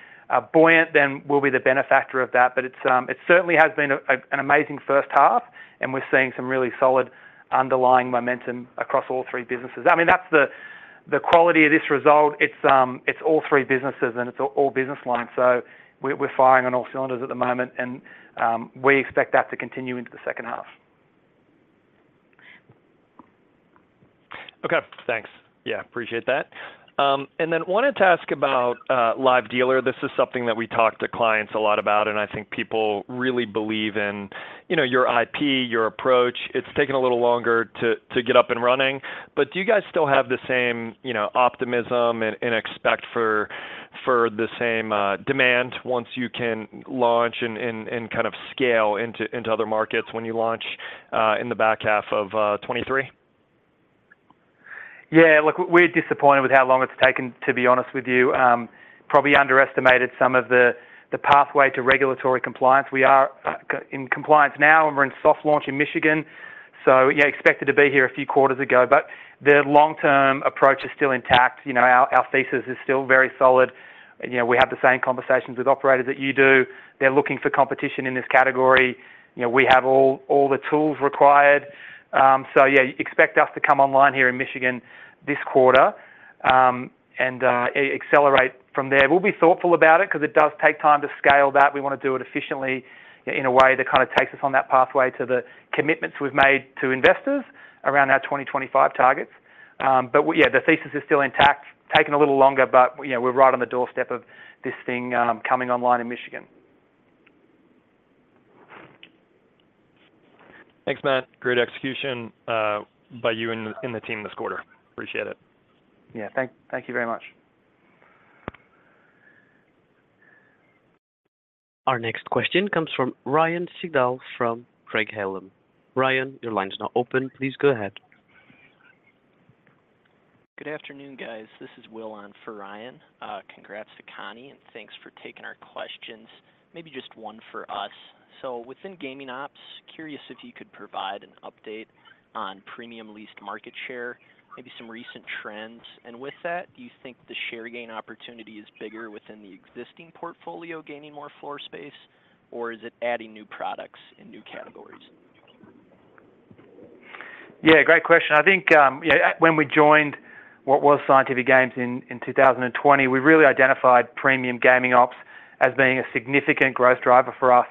S3: buoyant, then we'll be the benefactor of that. It's, it certainly has been a, a, an amazing first half, and we're seeing some really solid underlying momentum across all three businesses. I mean, that's the, the quality of this result. It's, it's all three businesses, and it's all business lines. we're, we're firing on all cylinders at the moment, and, we expect that to continue into the second half.
S8: Okay, thanks. Yeah, appreciate that. Wanted to ask about live dealer. This is something that we talk to clients a lot about, and I think people really believe in, you know, your IP, your approach. It's taken a little longer to get up and running. Do you guys still have the same, you know, optimism and expect for the same demand once you can launch and kind of scale into other markets when you launch in the back half of 2023?
S3: Yeah, look, we're disappointed with how long it's taken, to be honest with you. Probably underestimated some of the, the pathway to regulatory compliance. We are in compliance now, and we're in soft launch in Michigan. Yeah, expected to be here a few quarters ago, but the long-term approach is still intact. You know, our, our thesis is still very solid, and, you know, we have the same conversations with operators that you do. They're looking for competition in this category. You know, we have all, all the tools required. Yeah, expect us to come online here in Michigan this quarter, and accelerate from there. We'll be thoughtful about it because it does take time to scale that. We want to do it efficiently in a way that kind of takes us on that pathway to the commitments we've made to investors around our 2025 targets. We yeah, the thesis is still intact, taking a little longer, but, you know, we're right on the doorstep of this thing, coming online in Michigan.
S8: Thanks, Matt. Great execution, by you and, and the team this quarter. Appreciate it.
S3: Yeah. Thank, thank you very much.
S1: Our next question comes from Ryan Sigdahl, from Craig-Hallum. Ryan, your line is now open. Please go ahead.
S9: Good afternoon, guys. This is Will on for Ryan. Congrats to Connie, and thanks for taking our questions. Maybe just one for us. Within gaming ops, curious if you could provide an update on premium leased market share, maybe some recent trends. With that, do you think the share gain opportunity is bigger within the existing portfolio, gaining more floor space, or is it adding new products in new categories?
S3: Great question. I think, yeah, when we joined what was Scientific Games in 2020, we really identified premium gaming ops as being a significant growth driver for us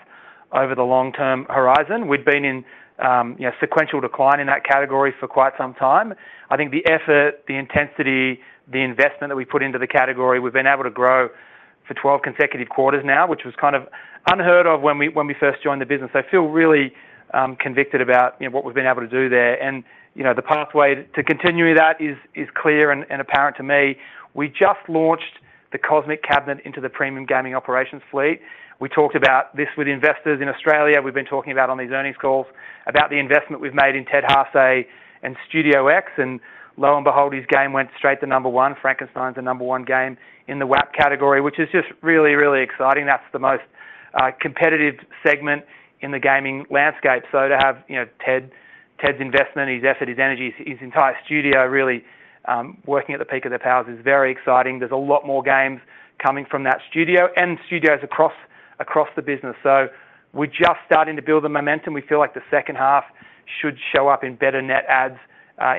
S3: over the long-term horizon. We'd been in, you know, sequential decline in that category for quite some time. I think the effort, the intensity, the investment that we put into the category, we've been able to grow for 12 consecutive quarters now, which was kind of unheard of when we, when we first joined the business. I feel really convicted about, you know, what we've been able to do there. You know, the pathway to continuing that is, is clear and, and apparent to me. We just launched the Cosmic Cabinet into the premium gaming operations fleet. We talked about this with investors in Australia. We've been talking about on these earnings calls, about the investment we've made in Ted Hase and Studio X, and lo and behold, his game went straight to number one. Frankenstein's the number one game in the WAP category, which is just really, really exciting. That's the most competitive segment in the gaming landscape. to have, you know, Ted, Ted's investment, his effort, his energy, his, his entire studio really working at the peak of their powers is very exciting. There's a lot more games coming from that studio and studios across, across the business. We're just starting to build the momentum. We feel like the second half should show up in better net adds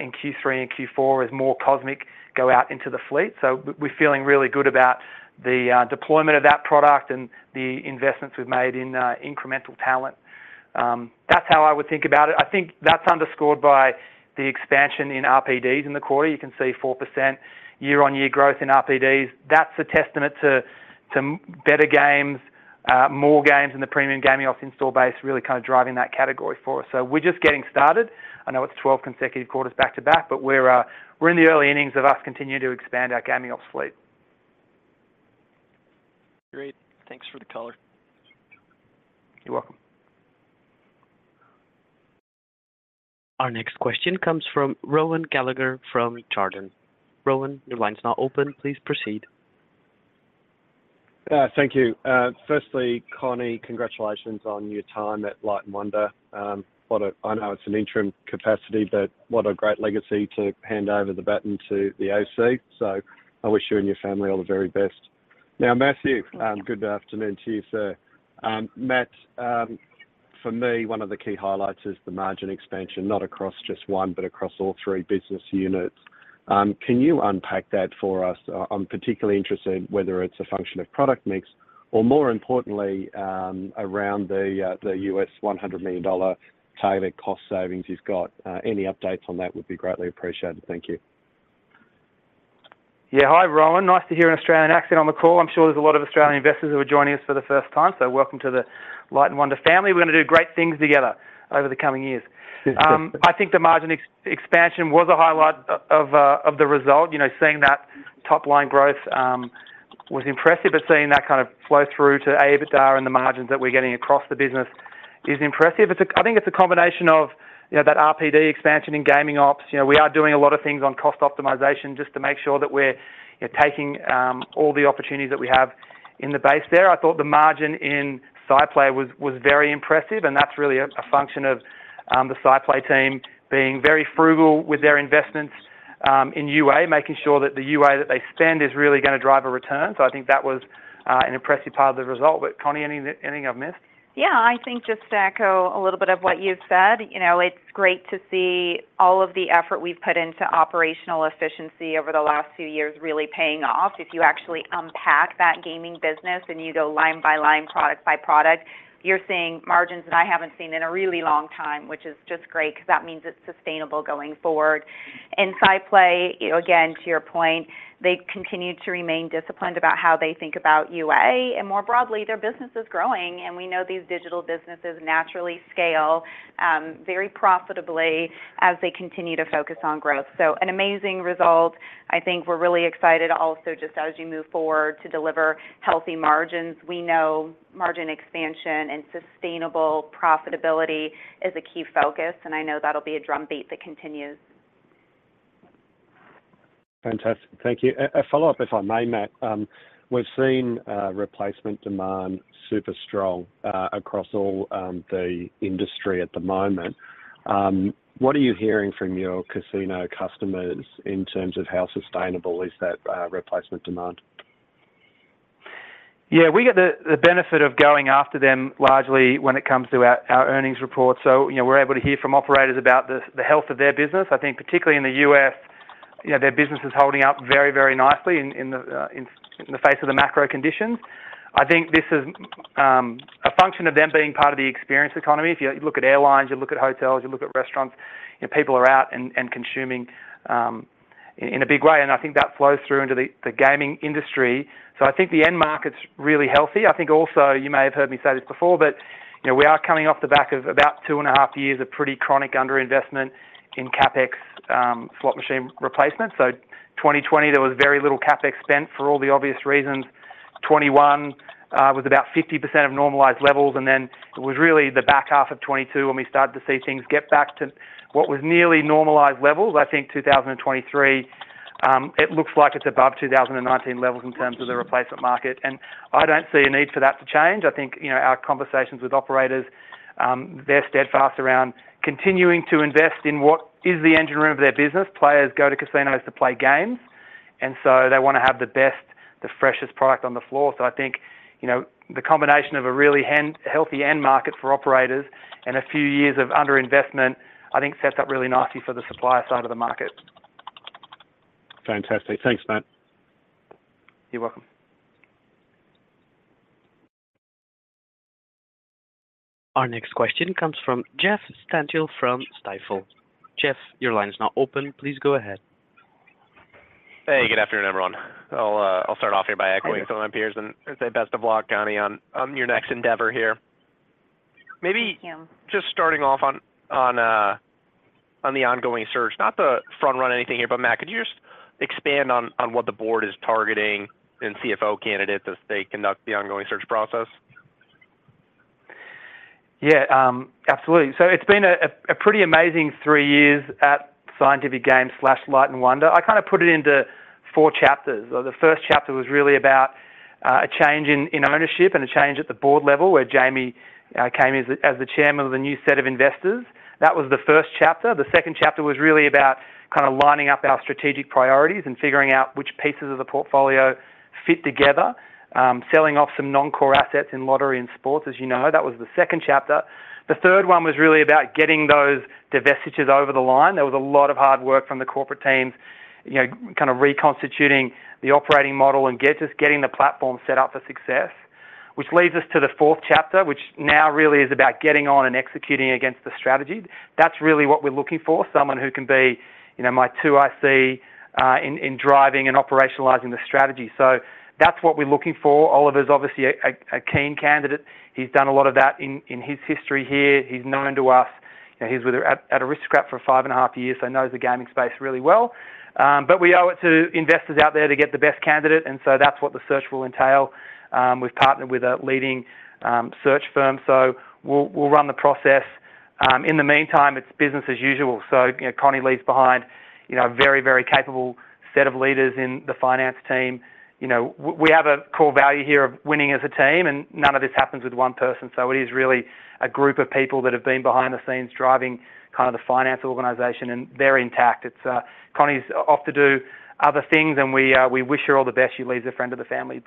S3: in Q3 and Q4 as more Cosmic go out into the fleet. We're feeling really good about the deployment of that product and the investments we've made in incremental talent. That's how I would think about it. I think that's underscored by the expansion in RPDs in the quarter. You can see 4% year-on-year growth in RPDs. That's a testament to, to better games, more games in the premium gaming ops install base, really kind of driving that category for us. We're just getting started. I know it's 12 consecutive quarters back-to-back, but we're in the early innings of us continuing to expand our gaming ops fleet.
S9: Great. Thanks for the color.
S3: You're welcome.
S1: Our next question comes from Rohan Gallagher from Jarden. Rohan, your line is now open. Please proceed.
S10: Thank you. Firstly, Connie, congratulations on your time at Light & Wonder. I know it's an interim capacity, but what a great legacy to hand over the baton to the OC. I wish you and your family all the very best. Now, Matthew, good afternoon to you, sir. Matt, for me, one of the key highlights is the margin expansion, not across just one, but across all three business units. Can you unpack that for us? I'm particularly interested in whether it's a function of product mix or more importantly, around the U.S. $100 million target cost savings you've got. Any updates on that would be greatly appreciated. Thank you.
S3: Yeah. Hi, Rohan. Nice to hear an Australian accent on the call. I'm sure there's a lot of Australian investors who are joining us for the first time. Welcome to the Light & Wonder family. We're gonna do great things together over the coming years. I think the margin expansion was a highlight of the result. You know, seeing that top-line growth was impressive, but seeing that kind of flow through to EBITDA and the margins that we're getting across the business is impressive. I think it's a combination of, you know, that RPD expansion in gaming ops. You know, we are doing a lot of things on cost optimization just to make sure that we're, we're taking all the opportunities that we have in the base there. I thought the margin in SciPlay was, was very impressive. That's really a function of the SciPlay team being very frugal with their investments in UA, making sure that the UA that they spend is really gonna drive a return. I think that was an impressive part of the result. Connie, anything, anything I've missed?
S4: Yeah, I think just to echo a little bit of what you've said, you know, it's great to see all of the effort we've put into operational efficiency over the last few years, really paying off. If you actually unpack that gaming business and you go line by line, product by product, you're seeing margins that I haven't seen in a really long time, which is just great because that means it's sustainable going forward. In SciPlay, again, to your point, they've continued to remain disciplined about how they think about UA, and more broadly, their business is growing, and we know these digital businesses naturally scale very profitably as they continue to focus on growth. An amazing result. I think we're really excited also, just as you move forward to deliver healthy margins. We know margin expansion and sustainable profitability is a key focus, and I know that'll be a drumbeat that continues.
S10: Fantastic. Thank you. A follow-up, if I may, Matt. We've seen replacement demand super strong across all the industry at the moment. What are you hearing from your casino customers in terms of how sustainable is that replacement demand?
S3: Yeah, we get the, the benefit of going after them largely when it comes to our, our earnings report. You know, we're able to hear from operators about the, the health of their business. I think particularly in the US, you know, their business is holding up very, very nicely in, in the face of the macro conditions. I think this is a function of them being part of the experience economy. If you look at airlines, you look at hotels, you look at restaurants, you know, people are out and, and consuming in a big way, and I think that flows through into the, the gaming industry. I think the end market's really healthy. I think also, you may have heard me say this before, but, you know, we are coming off the back of about two and a half years of pretty chronic underinvestment in CapEx, slot machine replacement. 2020, there was very little CapEx spent for all the obvious reasons. 2021 was about 50% of normalized levels, and then it was really the back half of 2022 when we started to see things get back to what was nearly normalized levels. I think 2023, it looks like it's above 2019 levels in terms of the replacement market, and I don't see a need for that to change. I think, you know, our conversations with operators, they're steadfast around continuing to invest in what is the engine room of their business. Players go to casinos to play games, and so they want to have the best, the freshest product on the floor. I think, you know, the combination of a really healthy end market for operators and a few years of underinvestment, I think sets up really nicely for the supplier side of the market.
S10: Fantastic. Thanks, Matt.
S3: You're welcome.
S1: Our next question comes from Jeff Stantial from Stifel. Jeff, your line is now open. Please go ahead.
S11: Hey, good afternoon, everyone. I'll, I'll start off here by echoing some of my peers and say best of luck, Connie, on, on your next endeavor here.
S3: Thank you.
S11: Maybe just starting off on, on, on the ongoing search, not to front-run anything here. Matt, could you just expand on, on what the board is targeting in CFO candidates as they conduct the ongoing search process?
S3: Yeah, absolutely. It's been a pretty amazing three years at Scientific Games slash Light & Wonder. I kind of put it into four chapters. The first chapter was really about a change in ownership and a change at the board level, where Jamie came as the chairman of the new set of investors. That was the first chapter. The second chapter was really about kind of lining up our strategic priorities and figuring out which pieces of the portfolio fit together, selling off some non-core assets in lottery and sports, as you know. That was the second chapter. The third one was really about getting those divestitures over the line. There was a lot of hard work from the corporate teams, you know, kind of reconstituting the operating model and just getting the platform set up for success, which leads us to the fourth chapter, which now really is about getting on and executing against the strategy. That's really what we're looking for, someone who can be, you know, my 2IC in driving and operationalizing the strategy. That's what we're looking for. Oliver is obviously a keen candidate. He's done a lot of that in his history here. He's known to us. He's with at Aristocrat for 5.5 years, so knows the gaming space really well. We owe it to investors out there to get the best candidate, and that's what the search will entail. We've partnered with a leading search firm, we'll, we'll run the process. In the meantime, it's business as usual. You know, Connie leaves behind, you know, a very, very capable set of leaders in the finance team. You know, we have a core value here of winning as a team, none of this happens with one person. It is really a group of people that have been behind the scenes driving kind of the finance organization, they're intact. It's, Connie is off to do other things, we wish her all the best. She leaves a friend of the family, we've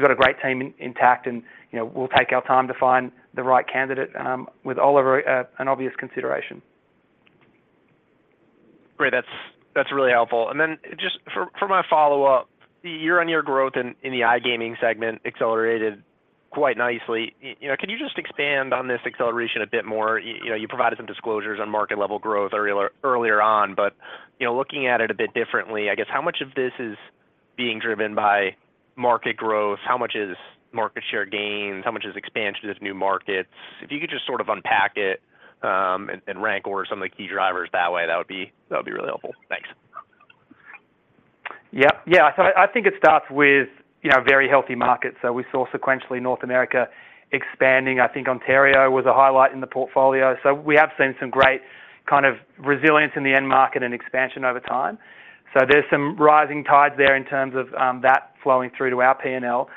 S3: got a great team in intact, you know, we'll take our time to find the right candidate with Oliver an obvious consideration.
S11: Great. That's, that's really helpful. Then just for, for my follow-up, year-on-year growth in, in the iGaming segment accelerated quite nicely. You know, can you just expand on this acceleration a bit more? You know, you provided some disclosures on market level growth earlier on, but, you know, looking at it a bit differently, I guess, how much of this is being driven by market growth? How much is market share gains? How much is expansion to this new markets? If you could just sort of unpack it, and rank order some of the key drivers that way, that would be, that would be really helpful. Thanks.
S3: Yep. Yeah, I think it starts with, you know, very healthy markets. We saw sequentially North America expanding. I think Ontario was a highlight in the portfolio. We have seen some great kind of resilience in the end market and expansion over time. There's some rising tide there in terms of that flowing through to our P&L.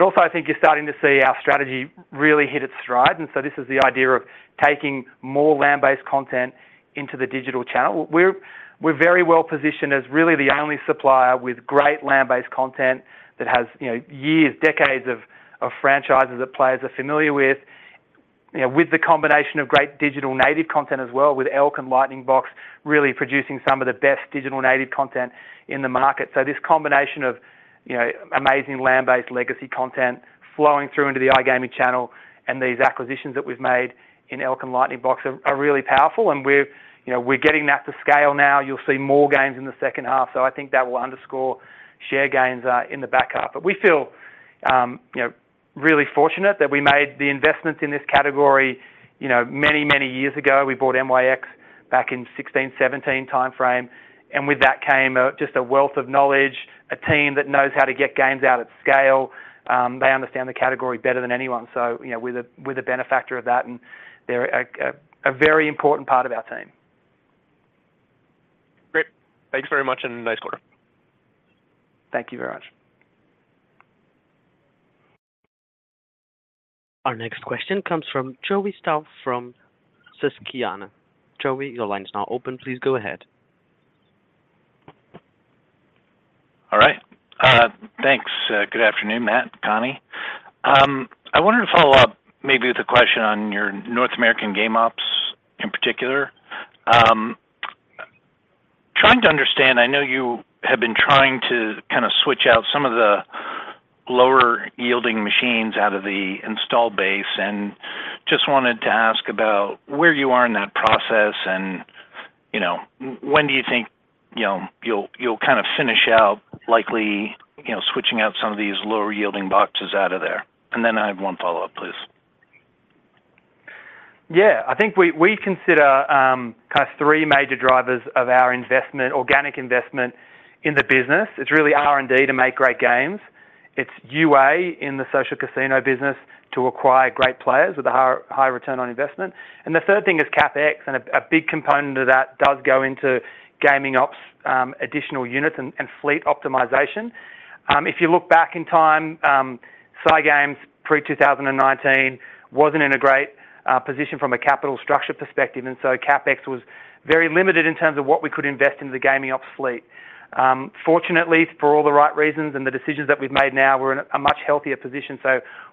S3: Also, I think you're starting to see our strategy really hit its stride. This is the idea of taking more land-based content into the digital channel. We're, we're very well positioned as really the only supplier with great land-based content that has, you know, years, decades of, of franchises that players are familiar with. You know, with the combination of great digital native content as well, with ELk and Lightning Box, really producing some of the best digital native content in the market. This combination of, you know, amazing land-based legacy content flowing through into the iGaming channel and these acquisitions that we've made in ELK and Lightning Box are, are really powerful, and we're, you know, we're getting that to scale now. You'll see more games in the second half, so I think that will underscore share gains in the back half. We feel, you know, really fortunate that we made the investments in this category, you know, many, many years ago. We bought NYX back in 2016, 2017 timeframe, and with that came just a wealth of knowledge, a team that knows how to get games out at scale. They understand the category better than anyone. You know, we're the, we're the benefactor of that, and they're a, a, a very important part of our team.
S11: Great. Thanks very much, and nice quarter.
S3: Thank you very much.
S1: Our next question comes from Joe Stauff from Susquehanna. Joey, your line is now open. Please go ahead.
S12: All right. Thanks. Good afternoon, Matt, Connie. I wanted to follow up maybe with a question on your North American game ops in particular. Trying to understand, I know you have been trying to kind of switch out some of the lower-yielding machines out of the install base, just wanted to ask about where you are in that process and, you know, when do you think, you know, you'll, you'll kind of finish out likely, you know, switching out some of these lower-yielding boxes out of there? Then I have 1 follow-up, please.
S3: Yeah, I think we, we consider, kind of three major drivers of our investment, organic investment in the business. It's really R&D to make great games. It's UA in the social casino business to acquire great players with a high, high return on investment. The third thing is CapEx, and a, a big component of that does go into gaming ops, additional units and, and fleet optimization. If you look back in time, SciGames, pre-2019, wasn't in a great position from a capital structure perspective, and so CapEx was very limited in terms of what we could invest into the gaming ops fleet. Fortunately, for all the right reasons and the decisions that we've made now, we're in a, a much healthier position.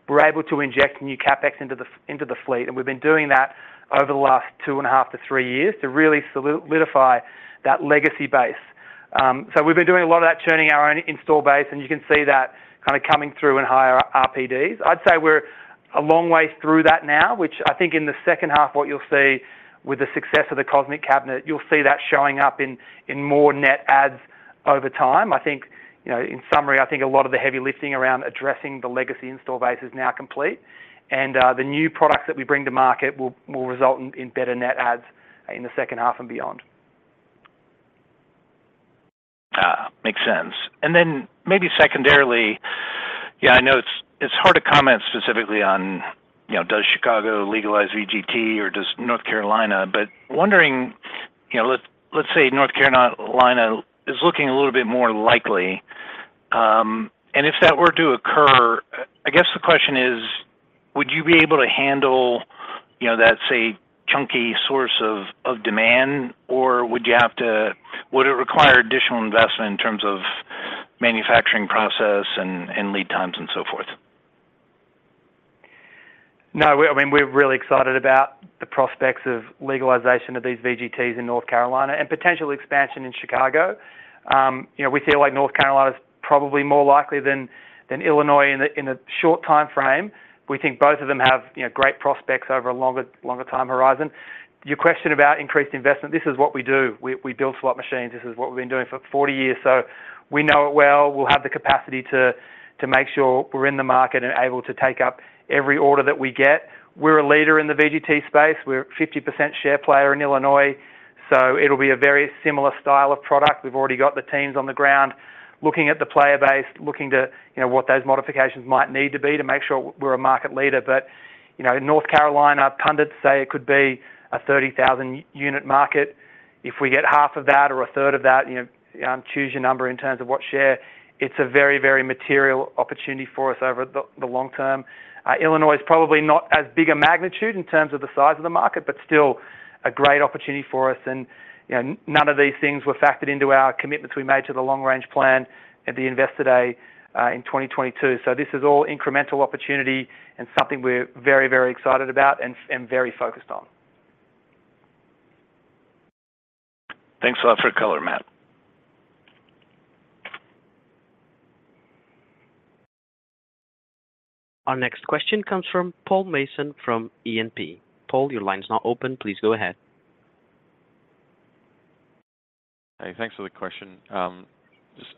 S3: We're able to inject new CapEx into the, into the fleet, and we've been doing that over the last 2.5-3 years to really solidify that legacy base. We've been doing a lot of that churning our own install base, and you can see that kind of coming through in higher RPDs. I'd say we're a long way through that now, which I think in the second half, what you'll see with the success of the Cosmic Cabinet, you'll see that showing up in, in more net adds over time. I think, you know, in summary, I think a lot of the heavy lifting around addressing the legacy install base is now complete, and the new products that we bring to market will, will result in, in better net adds in the second half and beyond.
S12: Ah, makes sense. Then maybe secondarily, yeah, I know it's, it's hard to comment specifically on, you know, does Chicago legalize VGT or does North Carolina? Wondering, you know, let's, let's say North Carolina is looking a little bit more likely, If that were to occur, I guess the question is, would you be able to handle, you know, that, say, chunky source of demand, or would it require additional investment in terms of manufacturing process and lead times and so forth?
S3: No, we, I mean, we're really excited about the prospects of legalization of these VGTs in North Carolina and potential expansion in Chicago. We feel like North Carolina is probably more likely than Illinois in a short time frame. We think both of them have, you know, great prospects over a longer, longer time horizon. Your question about increased investment, this is what we do. We build slot machines. This is what we've been doing for 40 years, so we know it well. We'll have the capacity to make sure we're in the market and able to take up every order that we get. We're a leader in the VGT space. We're a 50% share player in Illinois, so it'll be a very similar style of product. We've already got the teams on the ground looking at the player base, looking to, you know, what those modifications might need to be to make sure we're a market leader. You know, in North Carolina, pundits say it could be a 30,000 unit market. If we get half of that or a third of that, you know, choose your number in terms of what share, it's a very, very material opportunity for us over the long term. Illinois is probably not as big a magnitude in terms of the size of the market, but still a great opportunity for us. You know, none of these things were factored into our commitments we made to the long-range plan at the Investor Day in 2022. This is all incremental opportunity and something we're very, very excited about and very focused on.
S12: Thanks a lot for color, Matt.
S1: Our next question comes from Paul Mason from E&P. Paul, your line is now open. Please go ahead.
S13: Hey, thanks for the question. Just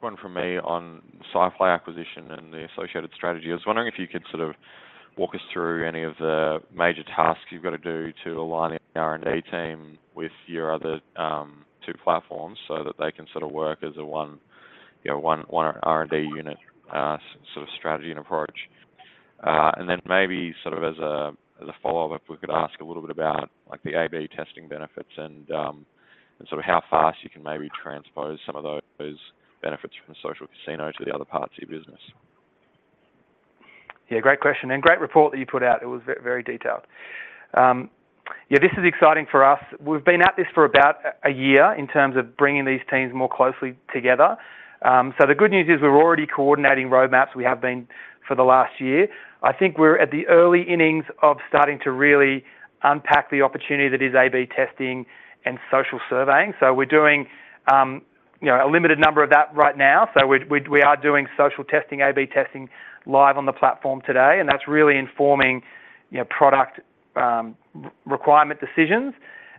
S13: one from me on SciPlay acquisition and the associated strategy. I was wondering if you could sort of walk us through any of the major tasks you've got to do to align the R&D team with your other two platforms, so that they can sort of work as a one, you know, one, one R&D unit, sort of strategy and approach. Then maybe sort of as a, as a follow-up, we could ask a little bit about, like, the A/B testing benefits and sort of how fast you can maybe transpose some of those benefits from the social casino to the other parts of your business.
S3: Yeah, great question, and great report that you put out. It was very detailed. Yeah, this is exciting for us. We've been at this for about a year in terms of bringing these teams more closely together. So the good news is we're already coordinating roadmaps. We have been for the last year. I think we're at the early innings of starting to really unpack the opportunity that is A/B testing and social surveying. So we're doing, you know, a limited number of that right now. So we are doing social testing, A/B testing, live on the platform today, and that's really informing, you know, product requirement decisions.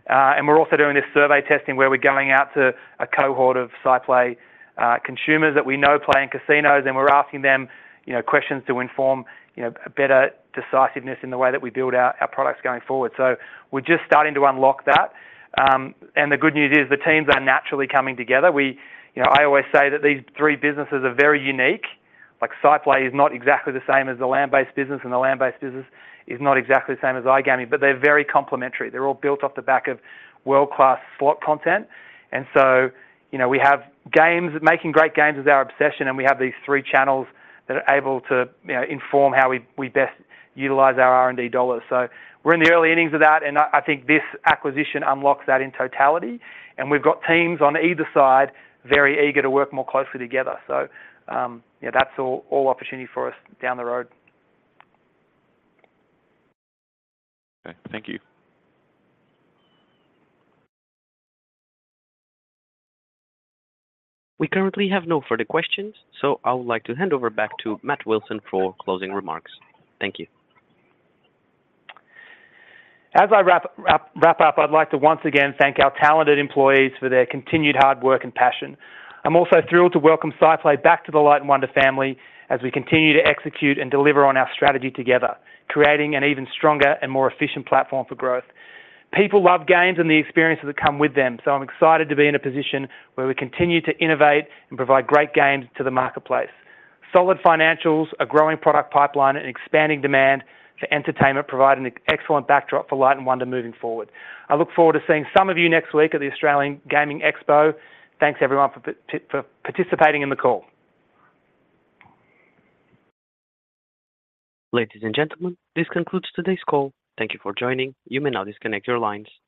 S3: We're also doing this survey testing, where we're going out to a cohort of SciPlay consumers that we know play in casinos, and we're asking them, you know, questions to inform, you know, a better decisiveness in the way that we build our, our products going forward. We're just starting to unlock that. The good news is the teams are naturally coming together. You know, I always say that these three businesses are very unique. Like, SciPlay is not exactly the same as the land-based business, and the land-based business is not exactly the same as iGaming, but they're very complementary. They're all built off the back of world-class slot content. You know, we have games, making great games is our obsession, and we have these three channels that are able to, you know, inform how we, we best utilize our R&D dollars. We're in the early innings of that, and I, I think this acquisition unlocks that in totality. We've got teams on either side very eager to work more closely together. Yeah, that's all, all opportunity for us down the road.
S13: Okay. Thank you.
S1: We currently have no further questions, so I would like to hand over back to Matt Wilson for closing remarks. Thank you.
S3: As I wrap up, I'd like to once again thank our talented employees for their continued hard work and passion. I'm also thrilled to welcome SciPlay back to the Light & Wonder family, as we continue to execute and deliver on our strategy together, creating an even stronger and more efficient platform for growth. People love games and the experiences that come with them. I'm excited to be in a position where we continue to innovate and provide great games to the marketplace. Solid financials, a growing product pipeline, and expanding demand for entertainment provide an excellent backdrop for Light & Wonder moving forward. I look forward to seeing some of you next week at the Australasian Gaming Expo. Thanks, everyone, for participating in the call.
S1: Ladies and gentlemen, this concludes today's call. Thank you for joining. You may now disconnect your lines. Thank you.